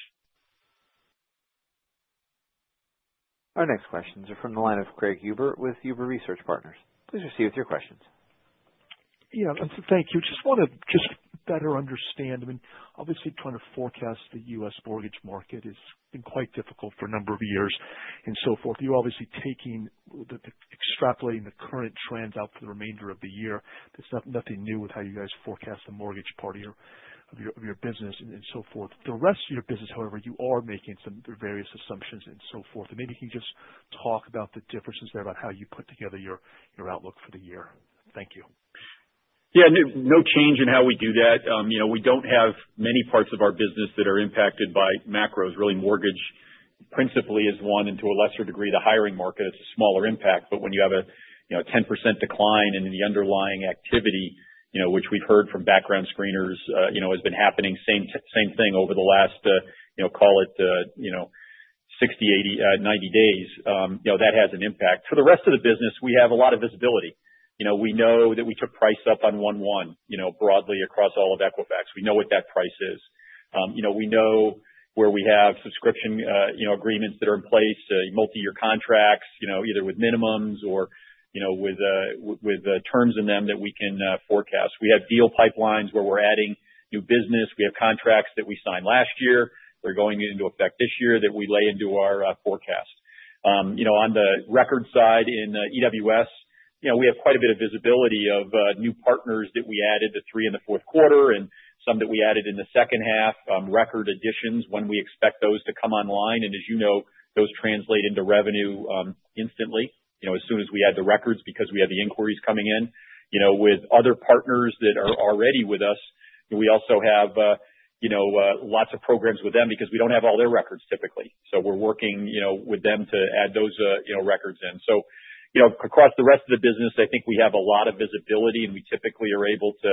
Our next questions are from the line of Craig Huber with Huber Research Partners. Please proceed with your questions. Yeah. Thank you. Just want to just better understand. I mean, obviously, trying to forecast the U.S. mortgage market has been quite difficult for a number of years and so forth. You're obviously extrapolating the current trends out for the remainder of the year. There's nothing new with how you guys forecast the mortgage part of your business and so forth. The rest of your business, however, you are making some various assumptions and so forth, and maybe you can just talk about the differences there about how you put together your outlook for the year. Thank you. Yeah. No change in how we do that. We don't have many parts of our business that are impacted by macros. Really, mortgage principally is one, and to a lesser degree, the hiring market. It's a smaller impact, but when you have a 10% decline in the underlying activity, which we've heard from background screeners has been happening, same thing over the last, call it, 60, 80, 90 days, that has an impact. For the rest of the business, we have a lot of visibility. We know that we took price up on 1/1 broadly across all of Equifax. We know what that price is. We know where we have subscription agreements that are in place, multi-year contracts, either with minimums or with terms in them that we can forecast. We have deal pipelines where we're adding new business. We have contracts that we signed last year that are going into effect this year that we lay into our forecast. On the record side in EWS, we have quite a bit of visibility of new partners that we added in the third and fourth quarter and some that we added in the second half, record additions, when we expect those to come online. And as you know, those translate into revenue instantly as soon as we add the records because we have the inquiries coming in. With other partners that are already with us, we also have lots of programs with them because we don't have all their records typically. So we're working with them to add those records in. So across the rest of the business, I think we have a lot of visibility, and we typically are able to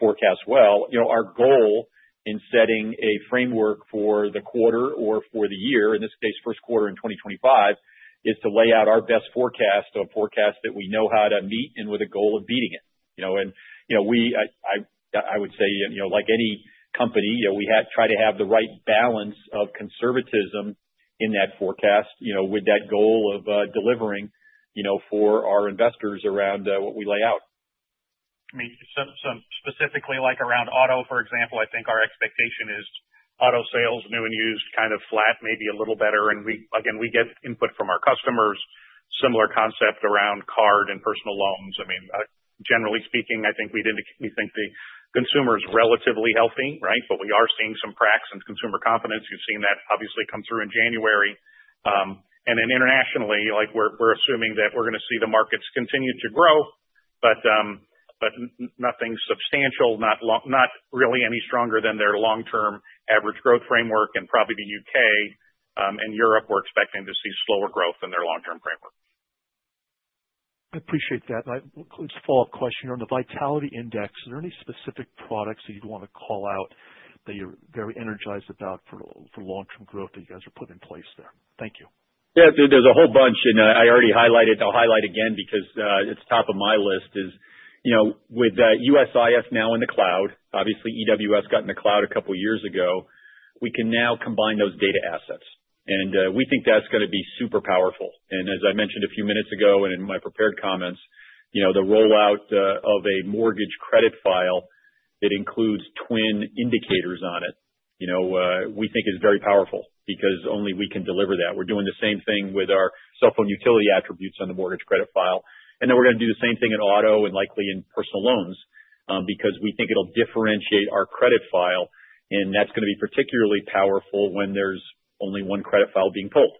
forecast well. Our goal in setting a framework for the quarter or for the year, in this case, first quarter in 2025, is to lay out our best forecast, a forecast that we know how to meet and with a goal of beating it. And I would say, like any company, we try to have the right balance of conservatism in that forecast with that goal of delivering for our investors around what we lay out. I mean, specifically around auto, for example, I think our expectation is auto sales, new and used, kind of flat, maybe a little better. And again, we get input from our customers, similar concept around card and personal loans. I mean, generally speaking, I think we think the consumer is relatively healthy, right? But we are seeing some cracks in consumer confidence. You've seen that obviously come through in January. And then internationally, we're assuming that we're going to see the markets continue to grow, but nothing substantial, not really any stronger than their long-term average growth framework. And probably the UK and Europe, we're expecting to see slower growth in their long-term framework. I appreciate that. Just a follow-up question on the Vitality Index. Are there any specific products that you'd want to call out that you're very energized about for long-term growth that you guys are putting in place there? Thank you. Yeah. There's a whole bunch, and I already highlighted it. I'll highlight again because it's top of my list is with USIS now in the cloud, obviously EWS got in the cloud a couple of years ago. We can now combine those data assets, and we think that's going to be super powerful. And as I mentioned a few minutes ago and in my prepared comments, the rollout of a mortgage credit file that includes TWN indicators on it, we think is very powerful because only we can deliver that. We're doing the same thing with our cell phone utility attributes on the mortgage credit file. And then we're going to do the same thing in auto and likely in personal loans because we think it'll differentiate our credit file, and that's going to be particularly powerful when there's only one credit file being pulled.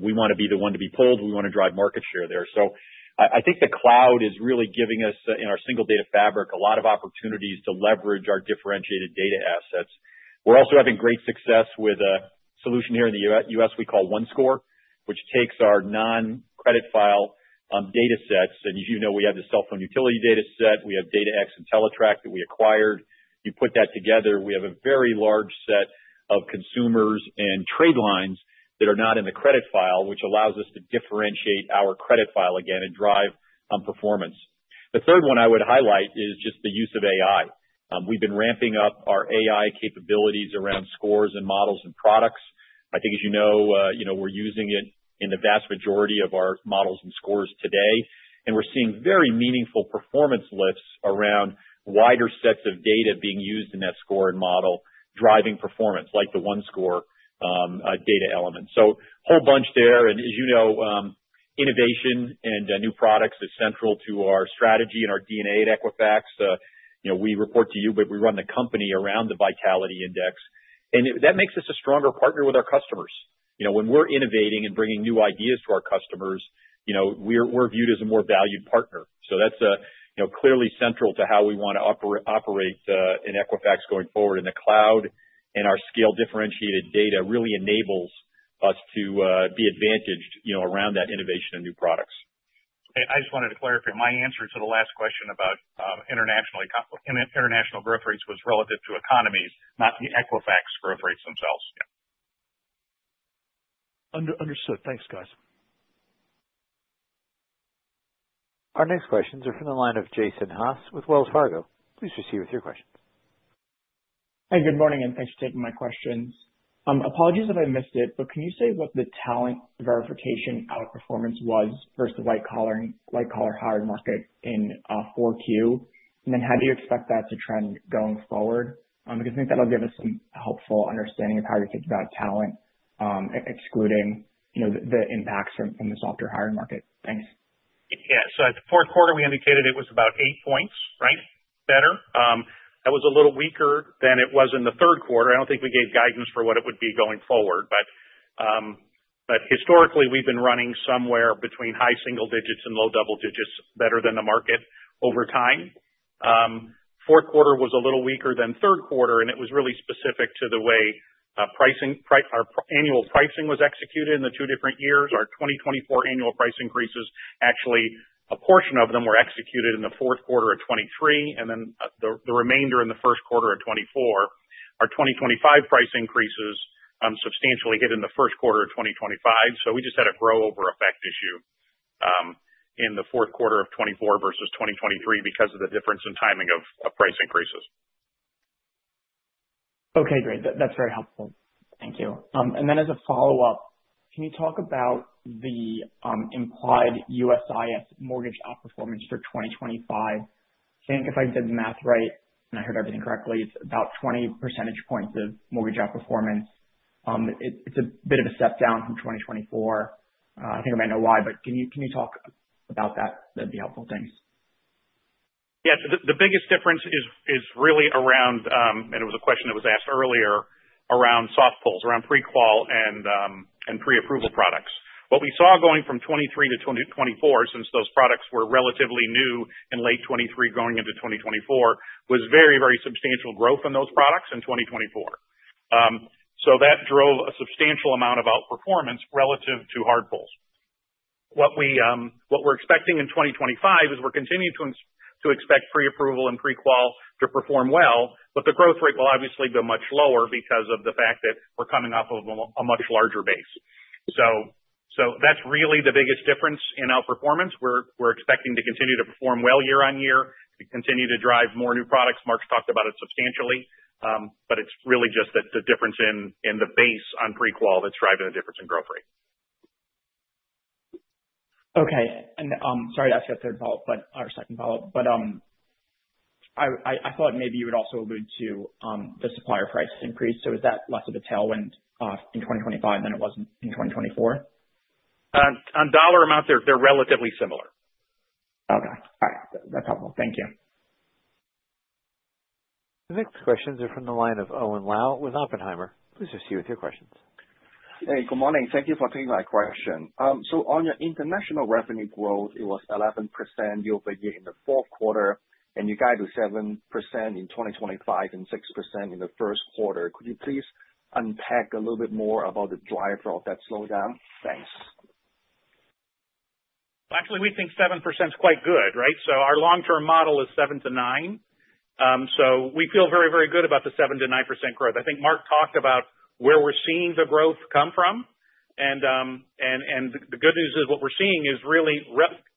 We want to be the one to be pulled. We want to drive market share there. So I think the cloud is really giving us, in our single data fabric, a lot of opportunities to leverage our differentiated data assets. We're also having great success with a solution here in the U.S. We call OneScore, which takes our non-credit file data sets, and as you know, we have the cell phone utility data set. We have DataX and Teletrack that we acquired. You put that together, we have a very large set of consumers and trade lines that are not in the credit file, which allows us to differentiate our credit file again and drive performance. The third one I would highlight is just the use of AI. We've been ramping up our AI capabilities around scores and models and products. I think, as you know, we're using it in the vast majority of our models and scores today, and we're seeing very meaningful performance lifts around wider sets of data being used in that score and model driving performance like the OneScore data element, so a whole bunch there. As you know, innovation and new products is central to our strategy and our DNA at Equifax. We report to you, but we run the company around the Vitality Index, and that makes us a stronger partner with our customers. When we're innovating and bringing new ideas to our customers, we're viewed as a more valued partner. So that's clearly central to how we want to operate in Equifax going forward. And the cloud and our scale differentiated data really enables us to be advantaged around that innovation and new products. I just wanted to clarify my answer to the last question about international growth rates was relative to economies, not the Equifax growth rates themselves. Understood. Thanks, guys. Our next questions are from the line of Jason Haas with Wells Fargo. Please proceed with your questions. Hey, good morning, and thanks for taking my questions. Apologies if I missed it, but can you say what the talent verification outperformance was versus the white-collar hiring market in 4Q? And then how do you expect that to trend going forward? Because I think that'll give us some helpful understanding of how you think about talent, excluding the impacts from the softer hiring market. Thanks. Yeah. So at the fourth quarter, we indicated it was about eight points, right? Better. That was a little weaker than it was in the third quarter. I don't think we gave guidance for what it would be going forward, but historically, we've been running somewhere between high single digits and low double digits better than the market over time. Fourth quarter was a little weaker than third quarter, and it was really specific to the way our annual pricing was executed in the two different years. Our 2024 annual price increases, actually a portion of them were executed in the fourth quarter of 2023, and then the remainder in the first quarter of 2024. Our 2025 price increases substantially hit in the first quarter of 2025. So we just had a year-over-year effect issue in the fourth quarter of 2024 versus 2023 because of the difference in timing of price increases. Okay. Great. That's very helpful. Thank you. And then as a follow-up, can you talk about the implied USIS mortgage outperformance for 2025? I think if I did the math right and I heard everything correctly, it's about 20 percentage points of mortgage outperformance. It's a bit of a step down from 2024. I think I might know why, but can you talk about that? That'd be helpful. Thanks. Yeah. So the biggest difference is really around, and it was a question that was asked earlier, around soft pulls, around pre-qual and pre-approval products. What we saw going from 2023 to 2024, since those products were relatively new in late 2023 going into 2024, was very, very substantial growth in those products in 2024. So that drove a substantial amount of outperformance relative to hard pulls. What we're expecting in 2025 is we're continuing to expect pre-approval and pre-qual to perform well, but the growth rate will obviously be much lower because of the fact that we're coming off of a much larger base. So that's really the biggest difference in outperformance. We're expecting to continue to perform well year on year, continue to drive more new products. Mark talked about it substantially, but it's really just the difference in the base on pre-qual that's driving the difference in growth rate. Okay, and sorry to ask you a third follow-up, but I thought maybe you would also allude to the supplier price increase, so is that less of a tailwind in 2025 than it was in 2024? On dollar amount, they're relatively similar. Okay. All right. That's helpful. Thank you. The next questions are from the line of Owen Lau with Oppenheimer. Please proceed with your questions. Hey, good morning. Thank you for taking my question, so on your international revenue growth, it was 11% year over year in the fourth quarter, and you guide to 7% in 2025 and 6% in the first quarter. Could you please unpack a little bit more about the driver of that slowdown? Thanks. Actually, we think 7% is quite good, right? So our long-term model is 7-9. So we feel very, very good about the 7-9% growth. I think Mark talked about where we're seeing the growth come from. And the good news is what we're seeing is really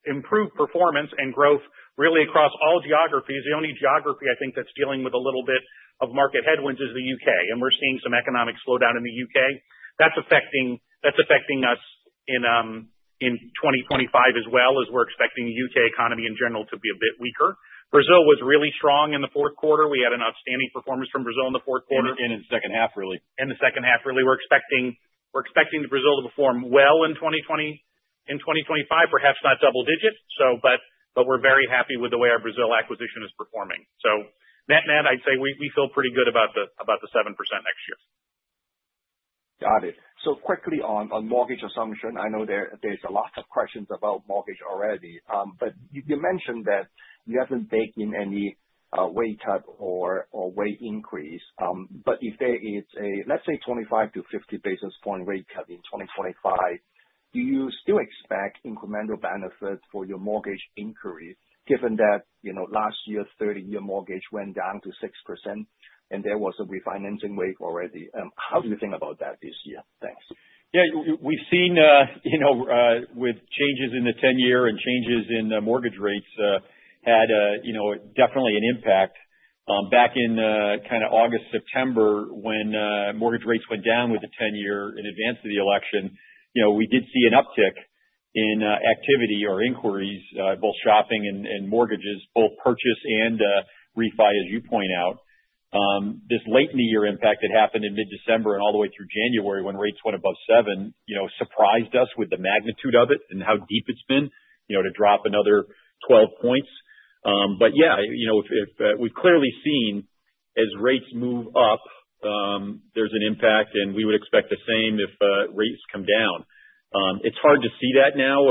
improved performance and growth really across all geographies. The only geography I think that's dealing with a little bit of market headwinds is the U.K., and we're seeing some economic slowdown in the U.K. That's affecting us in 2025 as well, as we're expecting the U.K. economy in general to be a bit weaker. Brazil was really strong in the fourth quarter. We had an outstanding performance from Brazil in the fourth quarter. And in the second half, really. We're expecting Brazil to perform well in 2025, perhaps not double-digit. But we're very happy with the way our Brazil acquisition is performing. So net, net, I'd say we feel pretty good about the 7% next year. Got it. So quickly on mortgage assumption, I know there's a lot of questions about mortgage already, but you mentioned that you haven't taken any rate cut or rate increase. But if there is a, let's say, 25-50 basis points rate cut in 2025, do you still expect incremental benefits for your mortgage increase, given that last year's 30-year mortgage went down to 6% and there was a refinancing wave already? How do you think about that this year? Thanks. Yeah. We've seen with changes in the 10-year and changes in mortgage rates had definitely an impact. Back in kind of August, September, when mortgage rates went down with the 10-year in advance of the election, we did see an uptick in activity or inquiries, both shopping and mortgages, both purchase and refi, as you point out. This late in the year impact that happened in mid-December and all the way through January when rates went above 7 surprised us with the magnitude of it and how deep it's been to drop another 12 points. But yeah, we've clearly seen as rates move up, there's an impact, and we would expect the same if rates come down. It's hard to see that now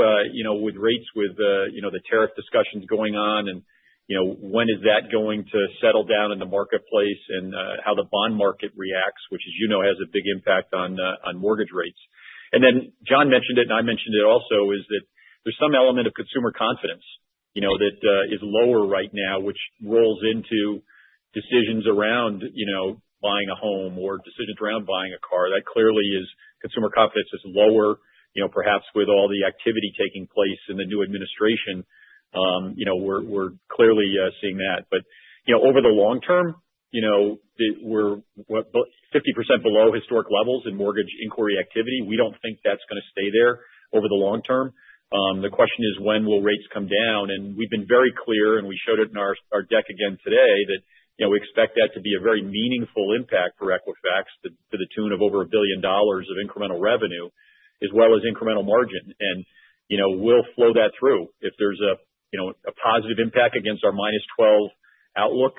with rates with the tariff discussions going on and when is that going to settle down in the marketplace and how the bond market reacts, which, as you know, has a big impact on mortgage rates. And then John mentioned it, and I mentioned it also, is that there's some element of consumer confidence that is lower right now, which rolls into decisions around buying a home or decisions around buying a car. That clearly is consumer confidence is lower, perhaps with all the activity taking place in the new administration. We're clearly seeing that. But over the long term, we're 50% below historic levels in mortgage inquiry activity. We don't think that's going to stay there over the long term. The question is, when will rates come down? And we've been very clear, and we showed it in our deck again today, that we expect that to be a very meaningful impact for Equifax to the tune of over $1 billion of incremental revenue, as well as incremental margin. And we'll flow that through. If there's a positive impact against our minus 12 outlook,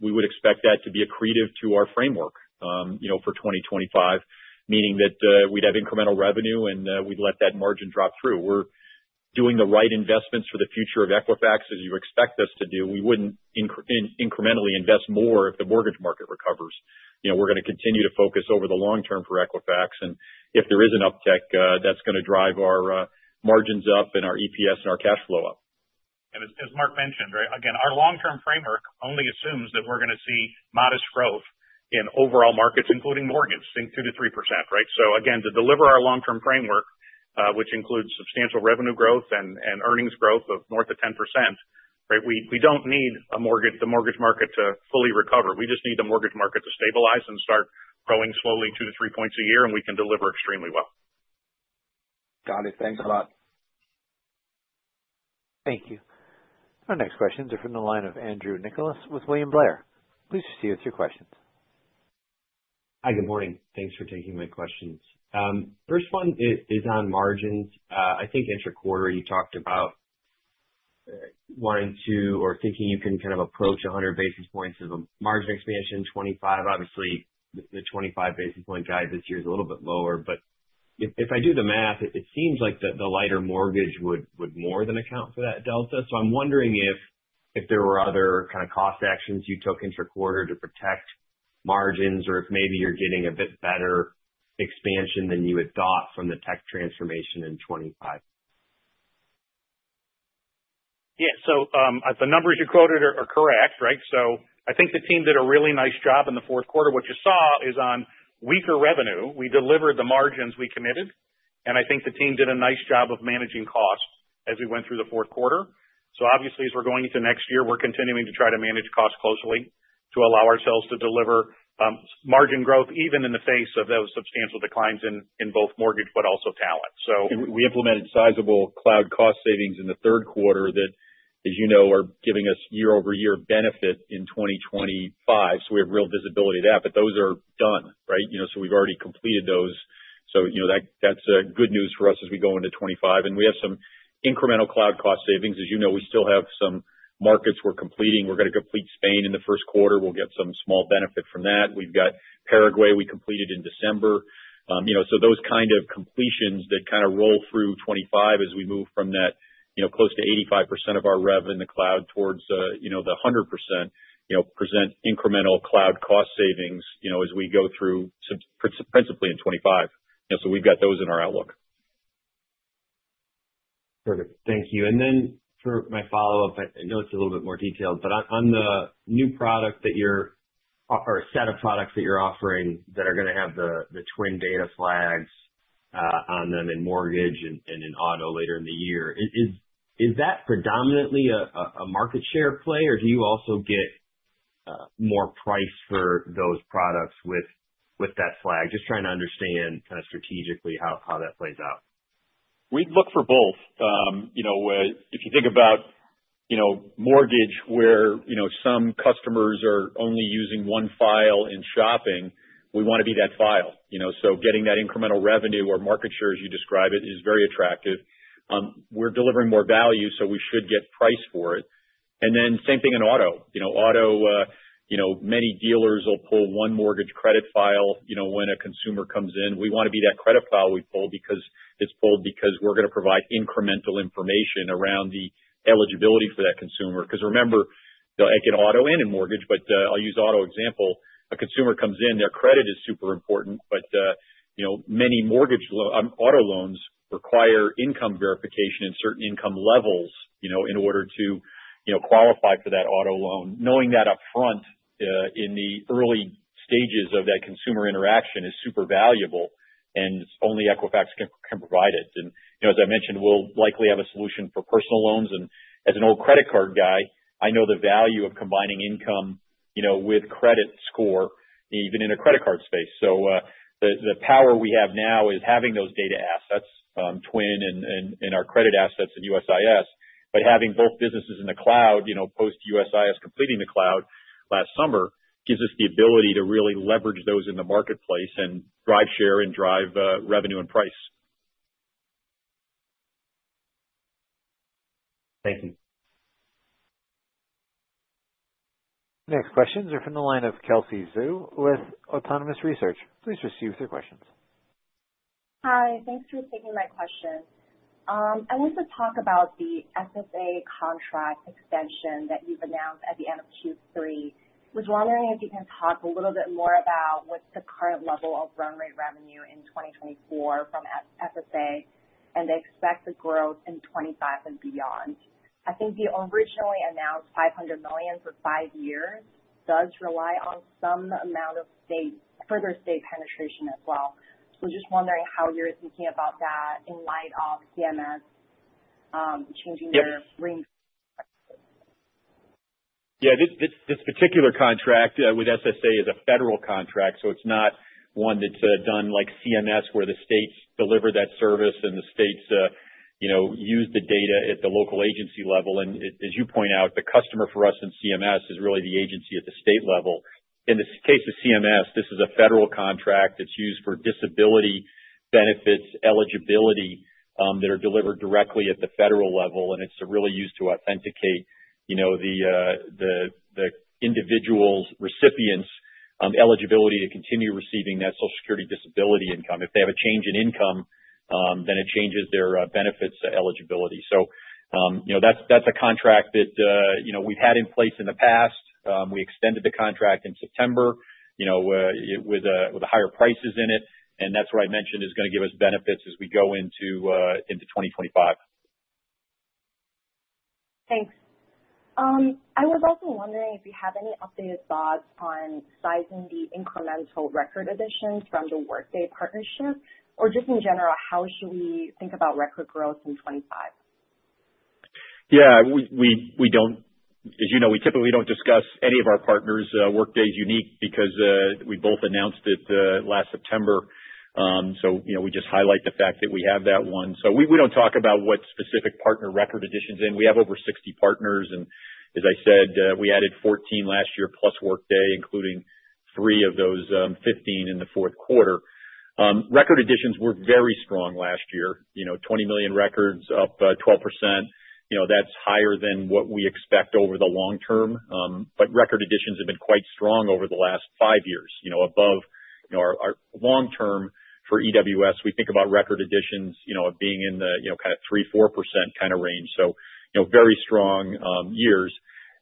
we would expect that to be accretive to our framework for 2025, meaning that we'd have incremental revenue and we'd let that margin drop through. We're doing the right investments for the future of Equifax, as you expect us to do. We wouldn't incrementally invest more if the mortgage market recovers. We're going to continue to focus over the long term for Equifax. And if there is an uptick, that's going to drive our margins up and our EPS and our cash flow up. And as Mark mentioned, right, again, our long-term framework only assumes that we're going to see modest growth in overall markets, including mortgages, think 2%-3%, right? So again, to deliver our long-term framework, which includes substantial revenue growth and earnings growth of north of 10%, right, we don't need the mortgage market to fully recover. We just need the mortgage market to stabilize and start growing slowly two to three points a year, and we can deliver extremely well. Got it. Thanks a lot. Thank you. Our next questions are from the line of Andrew Nicholas with William Blair. Please proceed with your questions. Hi, good morning. Thanks for taking my questions. First one is on margins. I think interquarter you talked about wanting to or thinking you can kind of approach 100 basis points of a margin expansion. 25, obviously, the 25 basis point guide this year is a little bit lower, but if I do the math, it seems like the lighter mortgage would more than account for that delta. I'm wondering if there were other kind of cost actions you took interquarter to protect margins or if maybe you're getting a bit better expansion than you had thought from the tech transformation in 2025. Yeah. So the numbers you quoted are correct, right? So I think the team did a really nice job in the fourth quarter. What you saw is on weaker revenue, we delivered the margins we committed, and I think the team did a nice job of managing costs as we went through the fourth quarter. So obviously, as we're going into next year, we're continuing to try to manage costs closely to allow ourselves to deliver margin growth even in the face of those substantial declines in both mortgage, but also talent. So we implemented sizable cloud cost savings in the third quarter that, as you know, are giving us year-over-year benefit in 2025. So we have real visibility to that, but those are done, right? So we've already completed those. So that's good news for us as we go into 2025. And we have some incremental cloud cost savings. As you know, we still have some markets we're completing. We're going to complete Spain in the first quarter. We'll get some small benefit from that. We've got Paraguay, we completed in December. So those kind of completions that kind of roll through 2025 as we move from that close to 85% of our revenue in the cloud towards the 100% present incremental cloud cost savings as we go through principally in 2025. So we've got those in our outlook. Perfect. Thank you. Then for my follow-up, I know it's a little bit more detailed, but on the new product or set of products that you're offering that are going to have the TWN win data flags on them in mortgage and in auto later in the year, is that predominantly a market share play, or do you also get more price for those products with that flag? Just trying to understand kind of strategically how that plays out. We look for both. If you think about mortgage where some customers are only using one file in shopping, we want to be that file. So getting that incremental revenue or market share, as you describe it, is very attractive. We're delivering more value, so we should get price for it. Then same thing in auto. Auto, many dealers will pull one mortgage credit file when a consumer comes in. We want to be that credit file we pull because it's pulled because we're going to provide incremental information around the eligibility for that consumer. Because remember, it can auto in mortgage, but I'll use auto example. A consumer comes in, their credit is super important, but many auto loans require income verification and certain income levels in order to qualify for that auto loan. Knowing that upfront in the early stages of that consumer interaction is super valuable, and only Equifax can provide it. And as I mentioned, we'll likely have a solution for personal loans. And as an old credit card guy, I know the value of combining income with credit score, even in a credit card space. So the power we have now is having those data assets, TWN and our credit assets at USIS, but having both businesses in the cloud post USIS completing the cloud last summer gives us the ability to really leverage those in the marketplace and drive share and drive revenue and price. Thank you. The next questions are from the line of Kelsey Zhu with Autonomous Research. Please proceed with your questions. Hi. Thanks for taking my question. I want to talk about the SSA contract extension that you've announced at the end of Q3. I was wondering if you can talk a little bit more about what's the current level of run rate revenue in 2024 from SSA, and they expect the growth in 2025 and beyond. I think the originally announced $500 million for five years does rely on some amount of further state penetration as well. So just wondering how you're thinking about that in light of CMS changing their streams. Yeah. This particular contract with SSA is a federal contract, so it's not one that's done like CMS where the states deliver that service and the states use the data at the local agency level. And as you point out, the customer for us with CMS is really the agency at the state level. In the case of SSA, this is a federal contract that's used for disability benefits eligibility that are delivered directly at the federal level, and it's really used to authenticate the individual recipients' eligibility to continue receiving that Social Security disability income. If they have a change in income, then it changes their benefits eligibility. So that's a contract that we've had in place in the past. We extended the contract in September with the higher prices in it, and that's what I mentioned is going to give us benefits as we go into 2025. Thanks. I was also wondering if you have any updated thoughts on sizing the incremental record additions from the Workday partnership, or just in general, how should we think about record growth in 2025? Yeah. As you know, we typically don't discuss any of our partners. Workday is unique because we both announced it last September. So we just highlight the fact that we have that one. So we don't talk about what specific partner record additions in. We have over 60 partners, and as I said, we added 14 last year plus Workday, including three of those 15 in the fourth quarter. Record additions were very strong last year. 20 million records up 12%. That's higher than what we expect over the long term, but record additions have been quite strong over the last five years, above our long term for EWS. We think about record additions being in the kind of 3%-4% kind of range. So very strong years.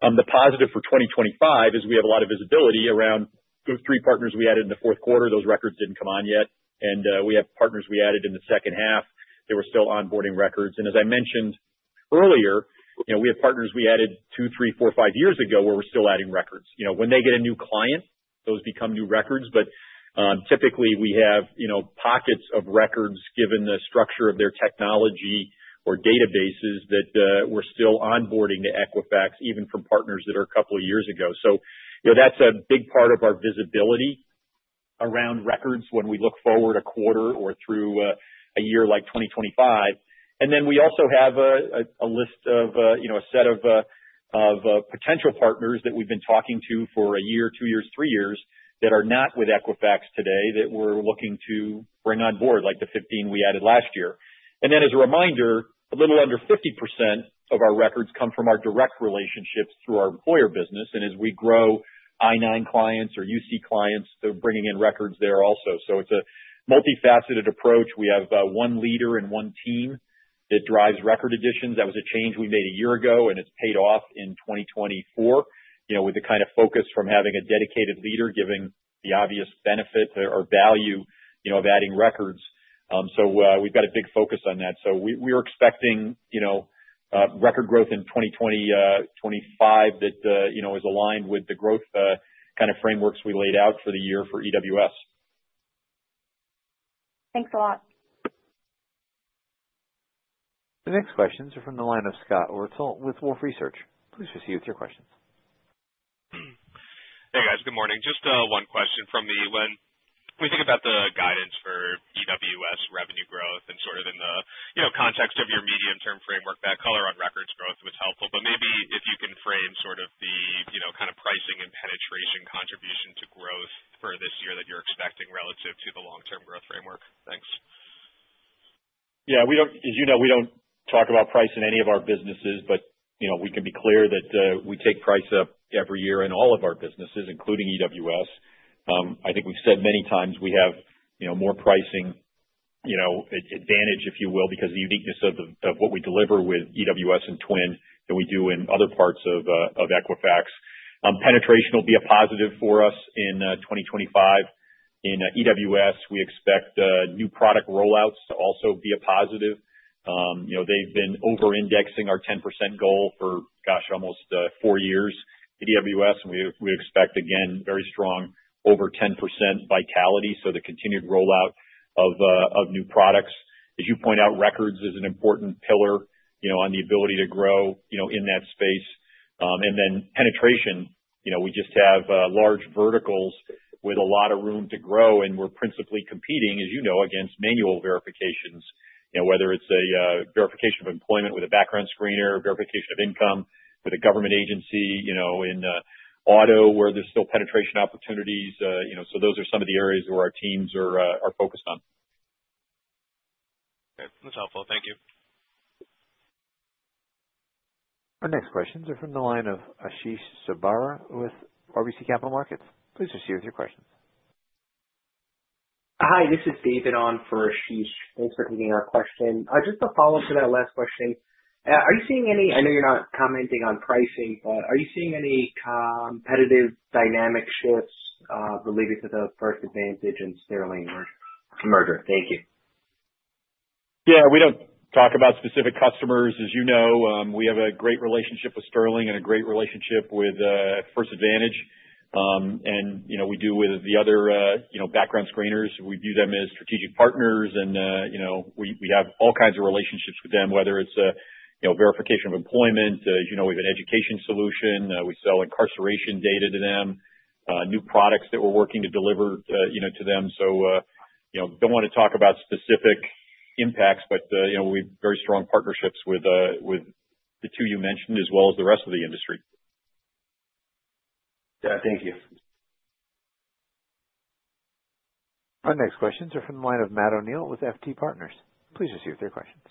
The positive for 2025 is we have a lot of visibility around those three partners we added in the fourth quarter. Those records didn't come on yet, and we have partners we added in the second half. There were still onboarding records. And as I mentioned earlier, we have partners we added two, three, four, five years ago where we're still adding records. When they get a new client, those become new records, but typically we have pockets of records given the structure of their technology or databases that we're still onboarding to Equifax, even from partners that are a couple of years ago. So that's a big part of our visibility around records when we look forward a quarter or through a year like 2025. And then we also have a list of a set of potential partners that we've been talking to for a year, two years, three years that are not with Equifax today that we're looking to bring on board, like the 15 we added last year. And then as a reminder, a little under 50% of our records come from our direct relationships through our employer business. And as we grow I-9 clients or UC clients, they're bringing in records there also. So it's a multifaceted approach. We have one leader and one team that drives record additions. That was a change we made a year ago, and it's paid off in 2024 with the kind of focus from having a dedicated leader giving the obvious benefit or value of adding records. So we've got a big focus on that. So we're expecting record growth in 2024, '25 that is aligned with the growth kind of frameworks we laid out for the year for EWS. Thanks a lot. The next questions are from the line of Scott Welford with Wolfe Research. Please proceed with your questions. Hey, guys. Good morning. Just one question from me when we think about the guidance for EWS revenue growth and sort of in the context of your medium-term framework, that color on records growth was helpful, but maybe if you can frame sort of the kind of pricing and penetration contribution to growth for this year that you're expecting relative to the long-term growth framework. Thanks. Yeah. As you know, we don't talk about price in any of our businesses, but we can be clear that we take price up every year in all of our businesses, including EWS. I think we've said many times we have more pricing advantage, if you will, because of the uniqueness of what we deliver with EWS and TWN than we do in other parts of Equifax. Penetration will be a positive for us in 2025. In EWS, we expect new product rollouts to also be a positive. They've been over-indexing our 10% goal for, gosh, almost four years at EWS, and we expect, again, very strong over 10% vitality, so the continued rollout of new products. As you point out, records is an important pillar on the ability to grow in that space. And then penetration, we just have large verticals with a lot of room to grow, and we're principally competing, as you know, against manual verifications, whether it's a verification of employment with a background screener or verification of income with a government agency in auto where there's still penetration opportunities. So those are some of the areas where our teams are focused on. Okay. That's helpful. Thank you. Our next questions are from the line of Ashish Sabadra with RBC Capital Markets. Please proceed with your questions. Hi. This is David on for Ashish. Thanks for taking our question. Just a follow-up to that last question. Are you seeing any—I know you're not commenting on pricing, but are you seeing any competitive dynamic shifts related to the First Advantage and Sterling merger? Thank you. Yeah. We don't talk about specific customers. As you know, we have a great relationship with Sterling and a great relationship with First Advantage, and we do with the other background screeners. We view them as strategic partners, and we have all kinds of relationships with them, whether it's verification of employment. As you know, we have an education solution. We sell incarceration data to them, new products that we're working to deliver to them. So don't want to talk about specific impacts, but we have very strong partnerships with the two you mentioned as well as the rest of the industry. Yeah. Thank you. Our next questions are from the line of Matt O'Neill with FT Partners. Please proceed with your questions.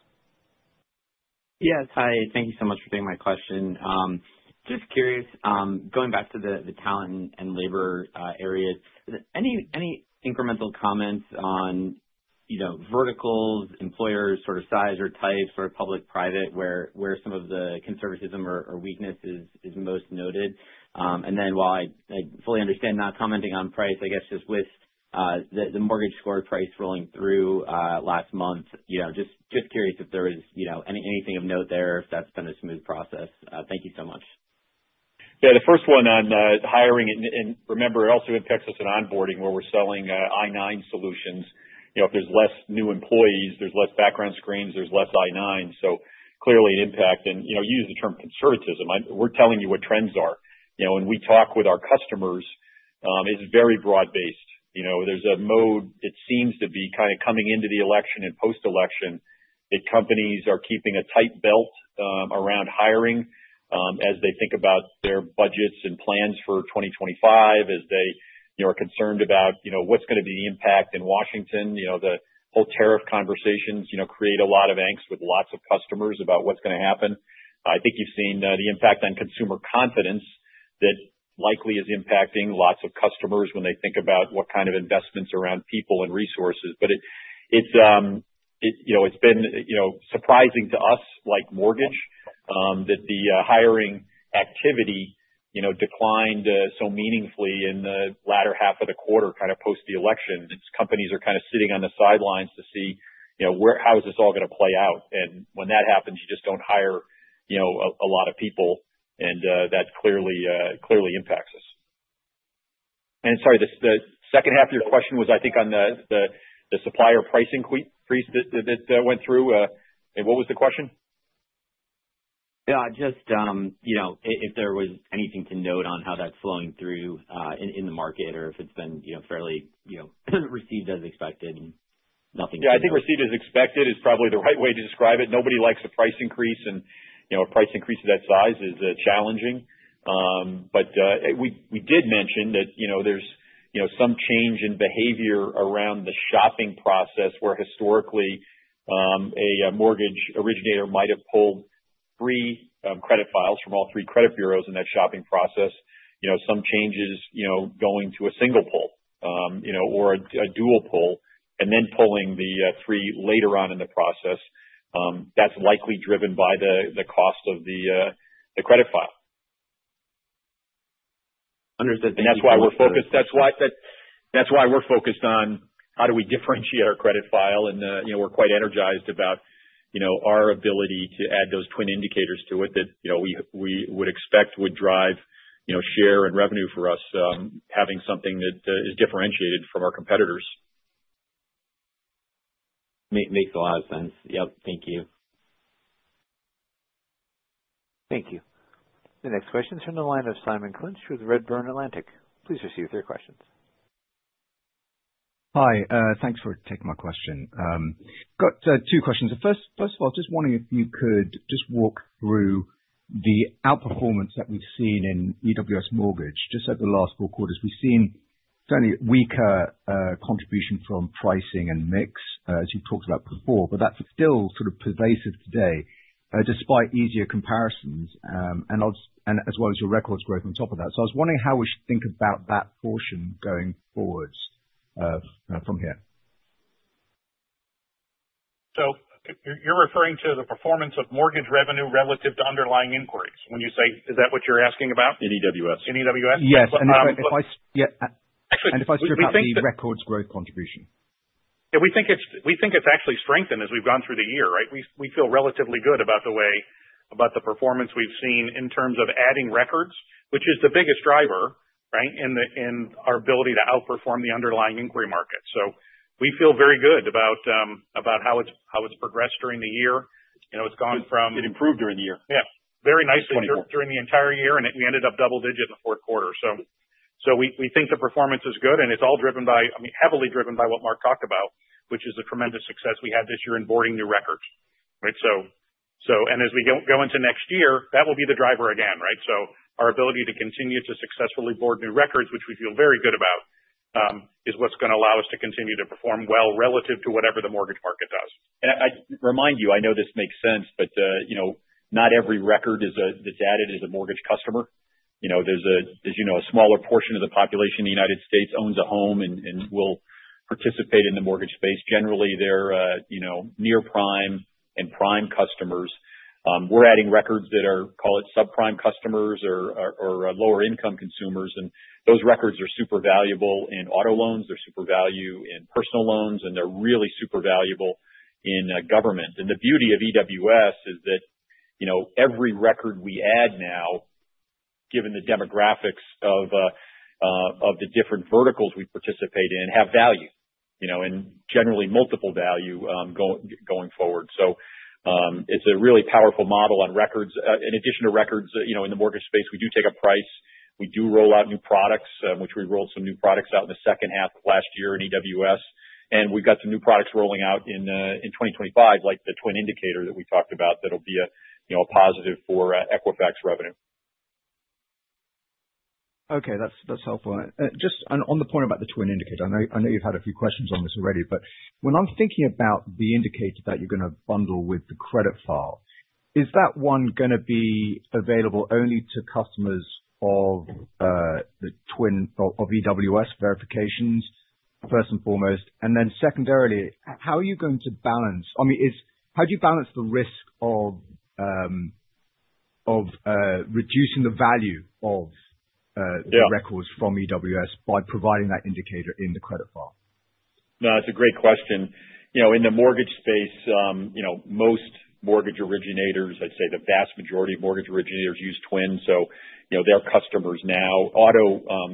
Yeah. Hi. Thank you so much for taking my question. Just curious, going back to the talent and labor areas, any incremental comments on verticals, employers, sort of size or types, or public-private where some of the conservatism or weakness is most noted? And then while I fully understand not commenting on price, I guess just with the mortgage score price rolling through last month, just curious if there was anything of note there, if that's been a smooth process. Thank you so much. Yeah. The first one on hiring, and remember, it also impacts us in onboarding where we're selling I-9 solutions. If there's less new employees, there's less background screens, there's less I-9. So clearly an impact. And use the term conservatism. We're telling you what trends are. When we talk with our customers, it's very broad-based. There's a mood, it seems to be, kind of coming into the election and post-election that companies are keeping a tight belt around hiring as they think about their budgets and plans for 2025, as they are concerned about what's going to be the impact in Washington. The whole tariff conversations create a lot of angst with lots of customers about what's going to happen. I think you've seen the impact on consumer confidence that likely is impacting lots of customers when they think about what kind of investments around people and resources, but it's been surprising to us, like mortgage, that the hiring activity declined so meaningfully in the latter half of the quarter, kind of post the election. Companies are kind of sitting on the sidelines to see how this is all going to play out. And when that happens, you just don't hire a lot of people, and that clearly impacts us. And sorry, the second half of your question was, I think, on the supplier pricing freeze that went through. What was the question? Yeah. Just if there was anything to note on how that's flowing through in the market or if it's been fairly received as expected and nothing changed. Yeah. I think received as expected is probably the right way to describe it. Nobody likes a price increase, and a price increase of that size is challenging. But we did mention that there's some change in behavior around the shopping process where historically a mortgage originator might have pulled three credit files from all three credit bureaus in that shopping process. Some changes going to a single pull or a dual pull and then pulling the three later on in the process. That's likely driven by the cost of the credit file. Understood. Thank you. And that's why we're focused on how do we differentiate our credit file. And we're quite energized about our ability to add those TWN indicators to it that we would expect would drive share and revenue for us, having something that is differentiated from our competitors. Makes a lot of sense. Yep. Thank you. Thankyou. The next question is from the line of Simon Clinch with Redburn Atlantic. Please proceed with your questions. Hi. Thanks for taking my question. Got two questions. First of all, just wondering if you could just walk through the outperformance that we've seen in EWS mortgage just over the last four quarters. We've seen certainly a weaker contribution from pricing and mix, as you've talked about before, but that's still sort of pervasive today despite easier comparisons and as well as your records growth on top of that. So I was wondering how we should think about that portion going forward from here. So you're referring to the performance of mortgage revenue relative to underlying inquiries when you say, "Is that what you're asking about?" In EWS. In EWS? Yes. And if I strip out the records growth contribution. Yeah. We think it's actually strengthened as we've gone through the year, right? We feel relatively good about the performance we've seen in terms of adding records, which is the biggest driver, right, in our ability to outperform the underlying inquiry market. So we feel very good about how it's progressed during the year. It improved during the year. Yeah. Very nicely improved during the entire year, and we ended up double-digit in the fourth quarter. So we think the performance is good, and it's all driven by, I mean, heavily driven by what Mark talked about, which is the tremendous success we had this year in boarding new records, right? And as we go into next year, that will be the driver again, right? So our ability to continue to successfully board new records, which we feel very good about, is what's going to allow us to continue to perform well relative to whatever the mortgage market does. And I remind you, I know this makes sense, but not every record that's added is a mortgage customer. There's, as you know, a smaller portion of the population in the United States owns a home and will participate in the mortgage space. Generally, they're near prime and prime customers. We're adding records that are, call it, subprime customers or lower-income consumers, and those records are super valuable in auto loans. They're super value in personal loans, and they're really super valuable in government. And the beauty of EWS is that every record we add now, given the demographics of the different verticals we participate in, have value and generally multiple value going forward. So it's a really powerful model on records. In addition to records in the mortgage space, we do take a price. We do roll out new products, which we rolled some new products out in the second half of last year in EWS. We've got some new products rolling out in 2025, like the TWN indicator that we talked about, that'll be a positive for Equifax revenue. Okay. That's helpful. Just on the point about the TWN indicator, I know you've had a few questions on this already, but when I'm thinking about the indicator that you're going to bundle with the credit file, is that one going to be available only to customers of EWS verifications first and foremost? And then secondarily, how are you going to balance, I mean, how do you balance the risk of reducing the value of the records from EWS by providing that indicator in the credit file? No, that's a great question. In the mortgage space, most mortgage originators, I'd say the vast majority of mortgage originators use TWN win, so they're customers now.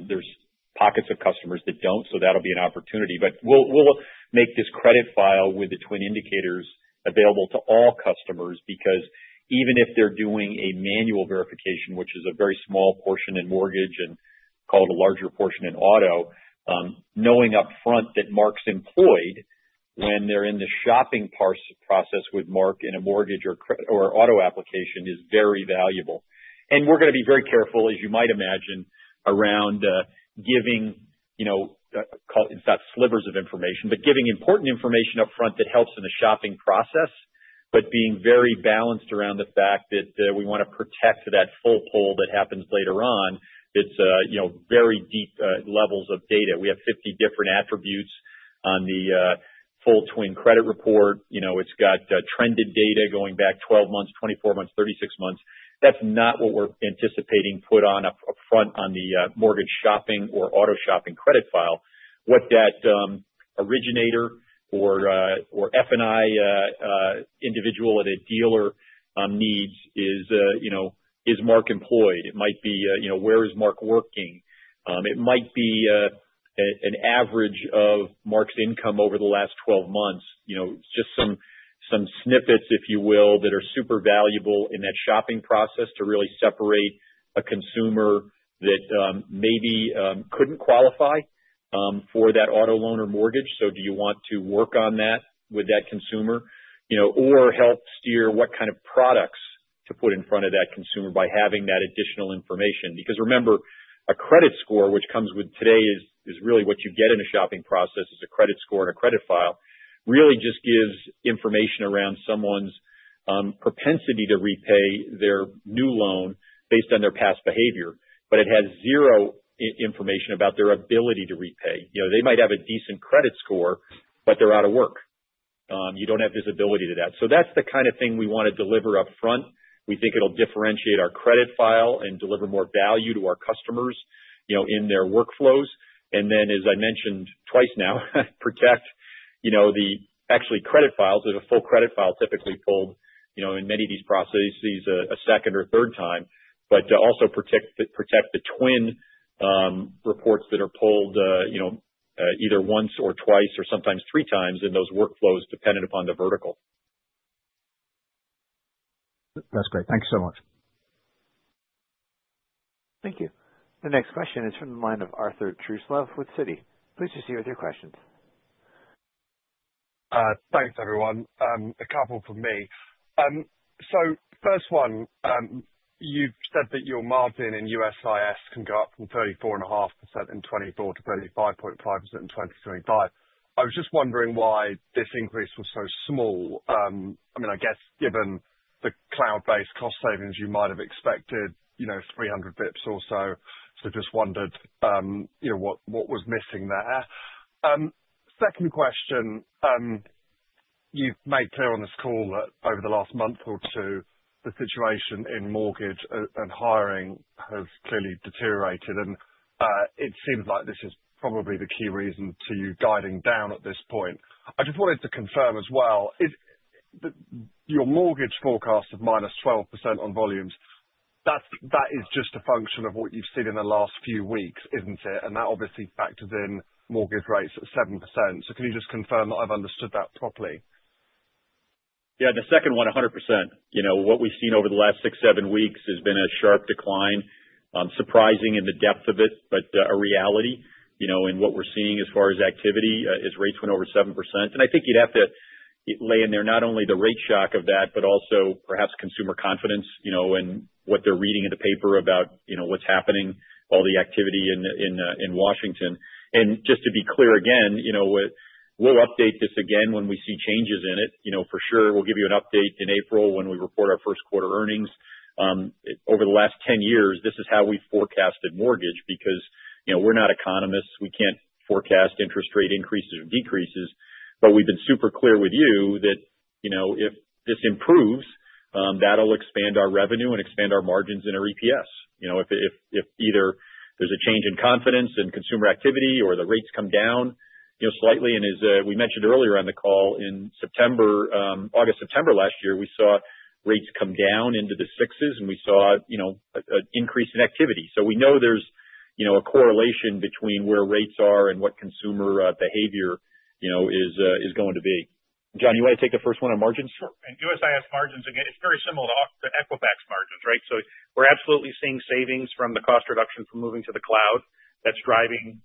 There's pockets of customers that don't, so that'll be an opportunity. But we'll make this credit file with the TWN indicators available to all customers because even if they're doing a manual verification, which is a very small portion in mortgage and, call it, a larger portion in auto, knowing upfront that Mark's employed when they're in the shopping process with Mark in a mortgage or auto application is very valuable. And we're going to be very careful, as you might imagine, around giving, it's not slivers of information, but giving important information upfront that helps in the shopping process, but being very balanced around the fact that we want to protect that full pull that happens later on. It's very deep levels of data. We have 50 different attributes on the full TWN credit report. It's got trended data going back 12 months, 24 months, 36 months. That's not what we're anticipating put on upfront on the mortgage shopping or auto shopping credit file. What that originator or F&I individual at a dealer needs is, "Is Mark employed?" It might be, "Where is Mark working?" It might be an average of Mark's income over the last 12 months. Just some snippets, if you will, that are super valuable in that shopping process to really separate a consumer that maybe couldn't qualify for that auto loan or mortgage. So do you want to work on that with that consumer or help steer what kind of products to put in front of that consumer by having that additional information? Because remember, a credit score, which comes with today, is really what you get in a shopping process, is a credit score and a credit file. Really just gives information around someone's propensity to repay their new loan based on their past behavior, but it has zero information about their ability to repay. They might have a decent credit score, but they're out of work. You don't have visibility to that. So that's the kind of thing we want to deliver upfront. We think it'll differentiate our credit file and deliver more value to our customers in their workflows. And then, as I mentioned twice now, protect the actual credit files. There's a full credit file typically pulled in many of these processes a second or third time, but also protect the TWN reports that are pulled either once or twice or sometimes three times in those workflows dependent upon the vertical. That's great. Thank you so much. Thank you. The next question is from the line of Arthur Truslove with Citi. Please proceed with your questions. Thanks, everyone. A couple for me. So first one, you've said that your margin in USIS can go up from 34.5% in 2024 to 35.5% in 2025. I was just wondering why this increase was so small. I mean, I guess given the cloud-based cost savings, you might have expected 300 basis points or so. So just wondered what was missing there. Second question, you've made clear on this call that over the last month or two, the situation in mortgage and hiring has clearly deteriorated, and it seems like this is probably the key reason to you guiding down at this point. I just wanted to confirm as well, your mortgage forecast of minus 12% on volumes, that is just a function of what you've seen in the last few weeks, isn't it? And that obviously factors in mortgage rates at 7%. So can you just confirm that I've understood that properly? Yeah. The second one, 100%. What we've seen over the last six, seven weeks has been a sharp decline, surprising in the depth of it, but a reality. And what we're seeing as far as activity is rates went over 7%. And I think you'd have to lay in there not only the rate shock of that, but also perhaps consumer confidence and what they're reading in the paper about what's happening, all the activity in Washington. And just to be clear again, we'll update this again when we see changes in it. For sure, we'll give you an update in April when we report our first quarter earnings. Over the last 10 years, this is how we've forecasted mortgage because we're not economists. We can't forecast interest rate increases or decreases. But we've been super clear with you that if this improves, that'll expand our revenue and expand our margins and our EPS. If either there's a change in confidence in consumer activity or the rates come down slightly. And as we mentioned earlier on the call, in August, September last year, we saw rates come down into the sixes, and we saw an increase in activity. So we know there's a correlation between where rates are and what consumer behavior is going to be. John, you want to take the first one on margins? Sure. And USIS margins, again, it's very similar to Equifax margins, right? So we're absolutely seeing savings from the cost reduction from moving to the cloud. That's driving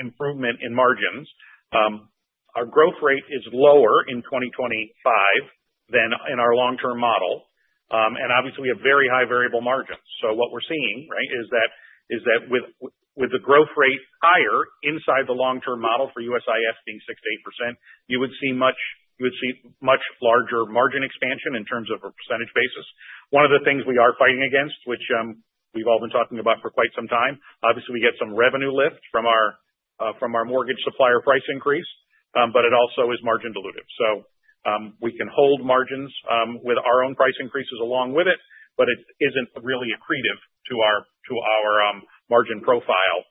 improvement in margins. Our growth rate is lower in 2025 than in our long-term model. And obviously, we have very high variable margins. What we're seeing, right, is that with the growth rate higher inside the long-term model for USIS being 6%-8%, you would see much larger margin expansion in terms of a percentage basis. One of the things we are fighting against, which we've all been talking about for quite some time, obviously, we get some revenue lift from our mortgage supplier price increase, but it also is margin-dilutive. We can hold margins with our own price increases along with it, but it isn't really accretive to our margin profile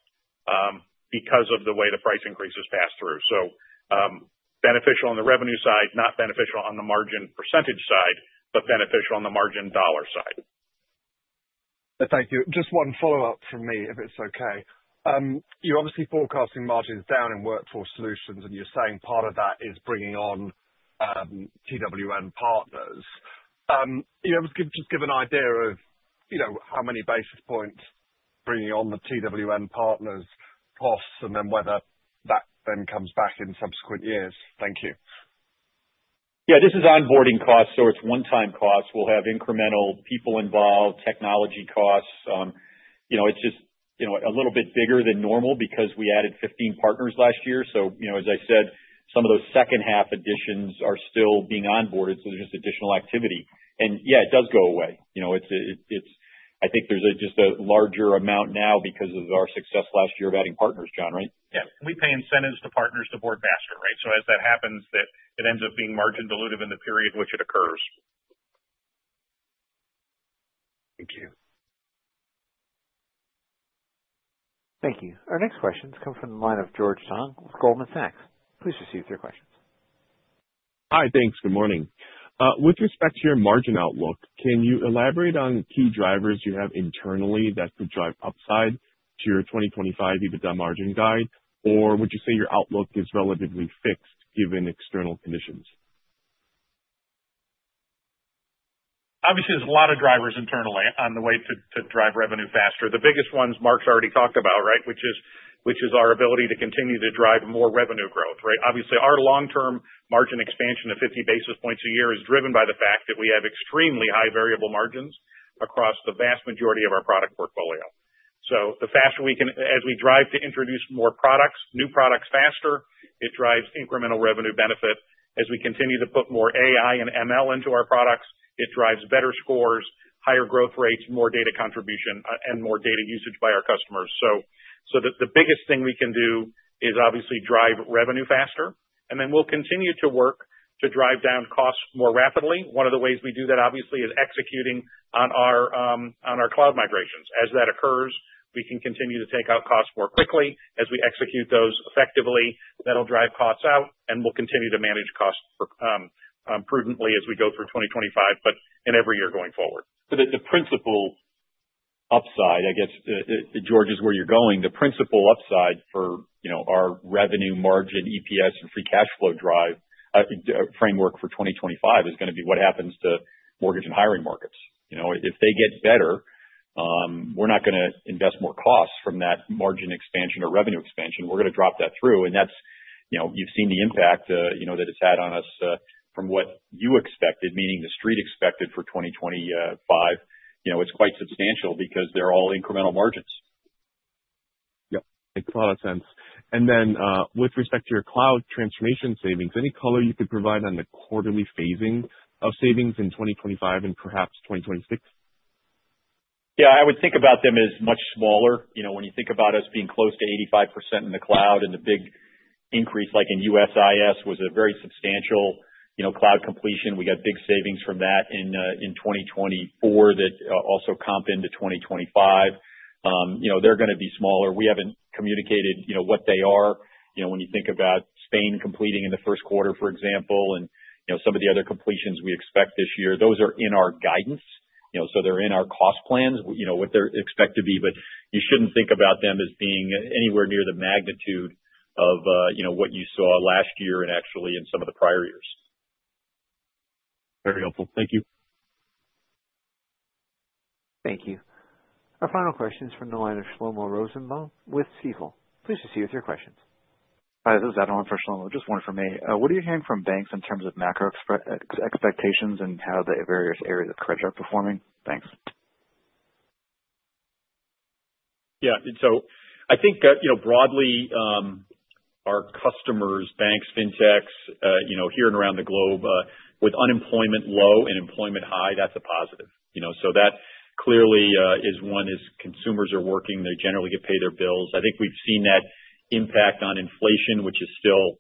because of the way the price increases pass through. Beneficial on the revenue side, not beneficial on the margin percentage side, but beneficial on the margin dollar side. Thank you. Just one follow-up from me, if it's okay. You're obviously forecasting margins down in Workforce Solutions, and you're saying part of that is bringing on TWN partners. Just give an idea of how many basis points bringing on the TWN partners costs and then whether that then comes back in subsequent years. Thank you. Yeah. This is onboarding costs, so it's one-time costs. We'll have incremental people involved, technology costs. It's just a little bit bigger than normal because we added 15 partners last year. So as I said, some of those second-half additions are still being onboarded, so there's just additional activity. And yeah, it does go away. I think there's just a larger amount now because of our success last year of adding partners, John, right? Yeah. And we pay incentives to partners to board faster, right? So as that happens, it ends up being margin-dilutive in the period in which it occurs. Thank you. Thank you. Our next questions come from the line of George Tong with Goldman Sachs. Please proceed with your questions. Hi, thanks. Good morning. With respect to your margin outlook, can you elaborate on key drivers you have internally that could drive upside to your 2025 EBITDA margin guide, or would you say your outlook is relatively fixed given external conditions? Obviously, there's a lot of drivers internally on the way to drive revenue faster. The biggest ones Mark's already talked about, right, which is our ability to continue to drive more revenue growth, right? Obviously, our long-term margin expansion of 50 basis points a year is driven by the fact that we have extremely high variable margins across the vast majority of our product portfolio. So the faster we can, as we drive to introduce more products, new products faster, it drives incremental revenue benefit. As we continue to put more AI and ML into our products, it drives better scores, higher growth rates, more data contribution, and more data usage by our customers. So the biggest thing we can do is obviously drive revenue faster, and then we'll continue to work to drive down costs more rapidly. One of the ways we do that, obviously, is executing on our cloud migrations. As that occurs, we can continue to take out costs more quickly. As we execute those effectively, that'll drive costs out, and we'll continue to manage costs prudently as we go through 2025, but in every year going forward. The principal upside, I guess, George, is where you're going. The principal upside for our revenue margin EPS and free cash flow drive framework for 2025 is going to be what happens to mortgage and hiring markets. If they get better, we're not going to invest more costs from that margin expansion or revenue expansion. We're going to drop that through. And you've seen the impact that it's had on us from what you expected, meaning the Street expected for 2025. It's quite substantial because they're all incremental margins. Yep. Makes a lot of sense. And then with respect to your cloud transformation savings, any color you could provide on the quarterly phasing of savings in 2025 and perhaps 2026? Yeah. I would think about them as much smaller. When you think about us being close to 85% in the cloud, and the big increase like in USIS was a very substantial cloud completion, we got big savings from that in 2024 that also comp into 2025. They're going to be smaller. We haven't communicated what they are. When you think about Spain completing in the first quarter, for example, and some of the other completions we expect this year, those are in our guidance. So they're in our cost plans what they're expected to be, but you shouldn't think about them as being anywhere near the magnitude of what you saw last year and actually in some of the prior years. Very helpful. Thank you. Thank you. Our final question is from the line of Shlomo Rosenbaum with Stifel. Please proceed with your questions. Hi. This is Adeline for Shlomo. Just one for me. What are you hearing from banks in terms of macro expectations and how the various areas of credit are performing? Thanks. Yeah. So I think broadly, our customers, banks, fintechs here and around the globe, with unemployment low and employment high, that's a positive. So that clearly is one is consumers are working. They generally get paid their bills. I think we've seen that impact on inflation, which is still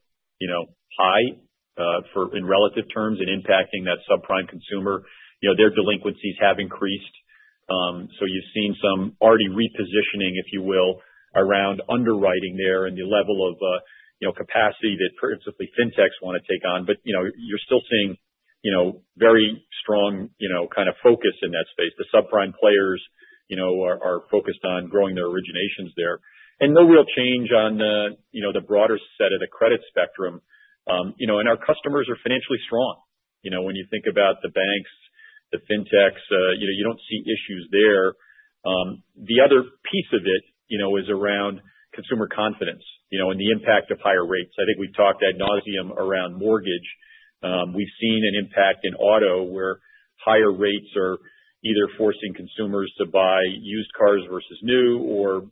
high in relative terms and impacting that subprime consumer. Their delinquencies have increased. So you've seen some already repositioning, if you will, around underwriting there and the level of capacity that principally fintechs want to take on. But you're still seeing very strong kind of focus in that space. The subprime players are focused on growing their originations there. And no real change on the broader set of the credit spectrum. And our customers are financially strong. When you think about the banks, the fintechs, you don't see issues there. The other piece of it is around consumer confidence and the impact of higher rates. I think we've talked ad nauseam around mortgage. We've seen an impact in auto where higher rates are either forcing consumers to buy used cars versus new or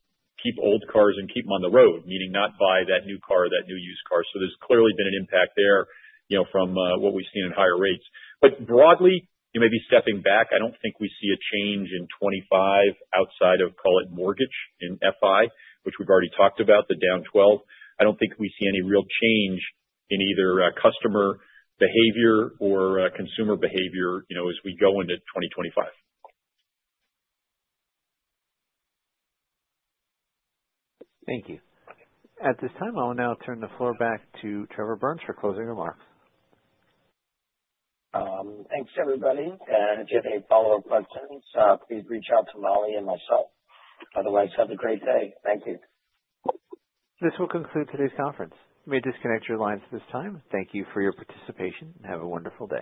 keep old cars and keep them on the road, meaning not buy that new car, that new used car. So there's clearly been an impact there from what we've seen in higher rates. But broadly, maybe stepping back, I don't think we see a change in 2025 outside of, call it, mortgage in FI, which we've already talked about, the down 12. I don't think we see any real change in either customer behavior or consumer behavior as we go into 2025. Thank you. At this time, I will now turn the floor back to Trevor Burns for closing remarks. Thanks, everybody. And if you have any follow-up questions, please reach out to Molly and myself. Otherwise, have a great day. Thank you. This will conclude today's conference. We may disconnect your lines at this time. Thank you for your participation and have a wonderful day.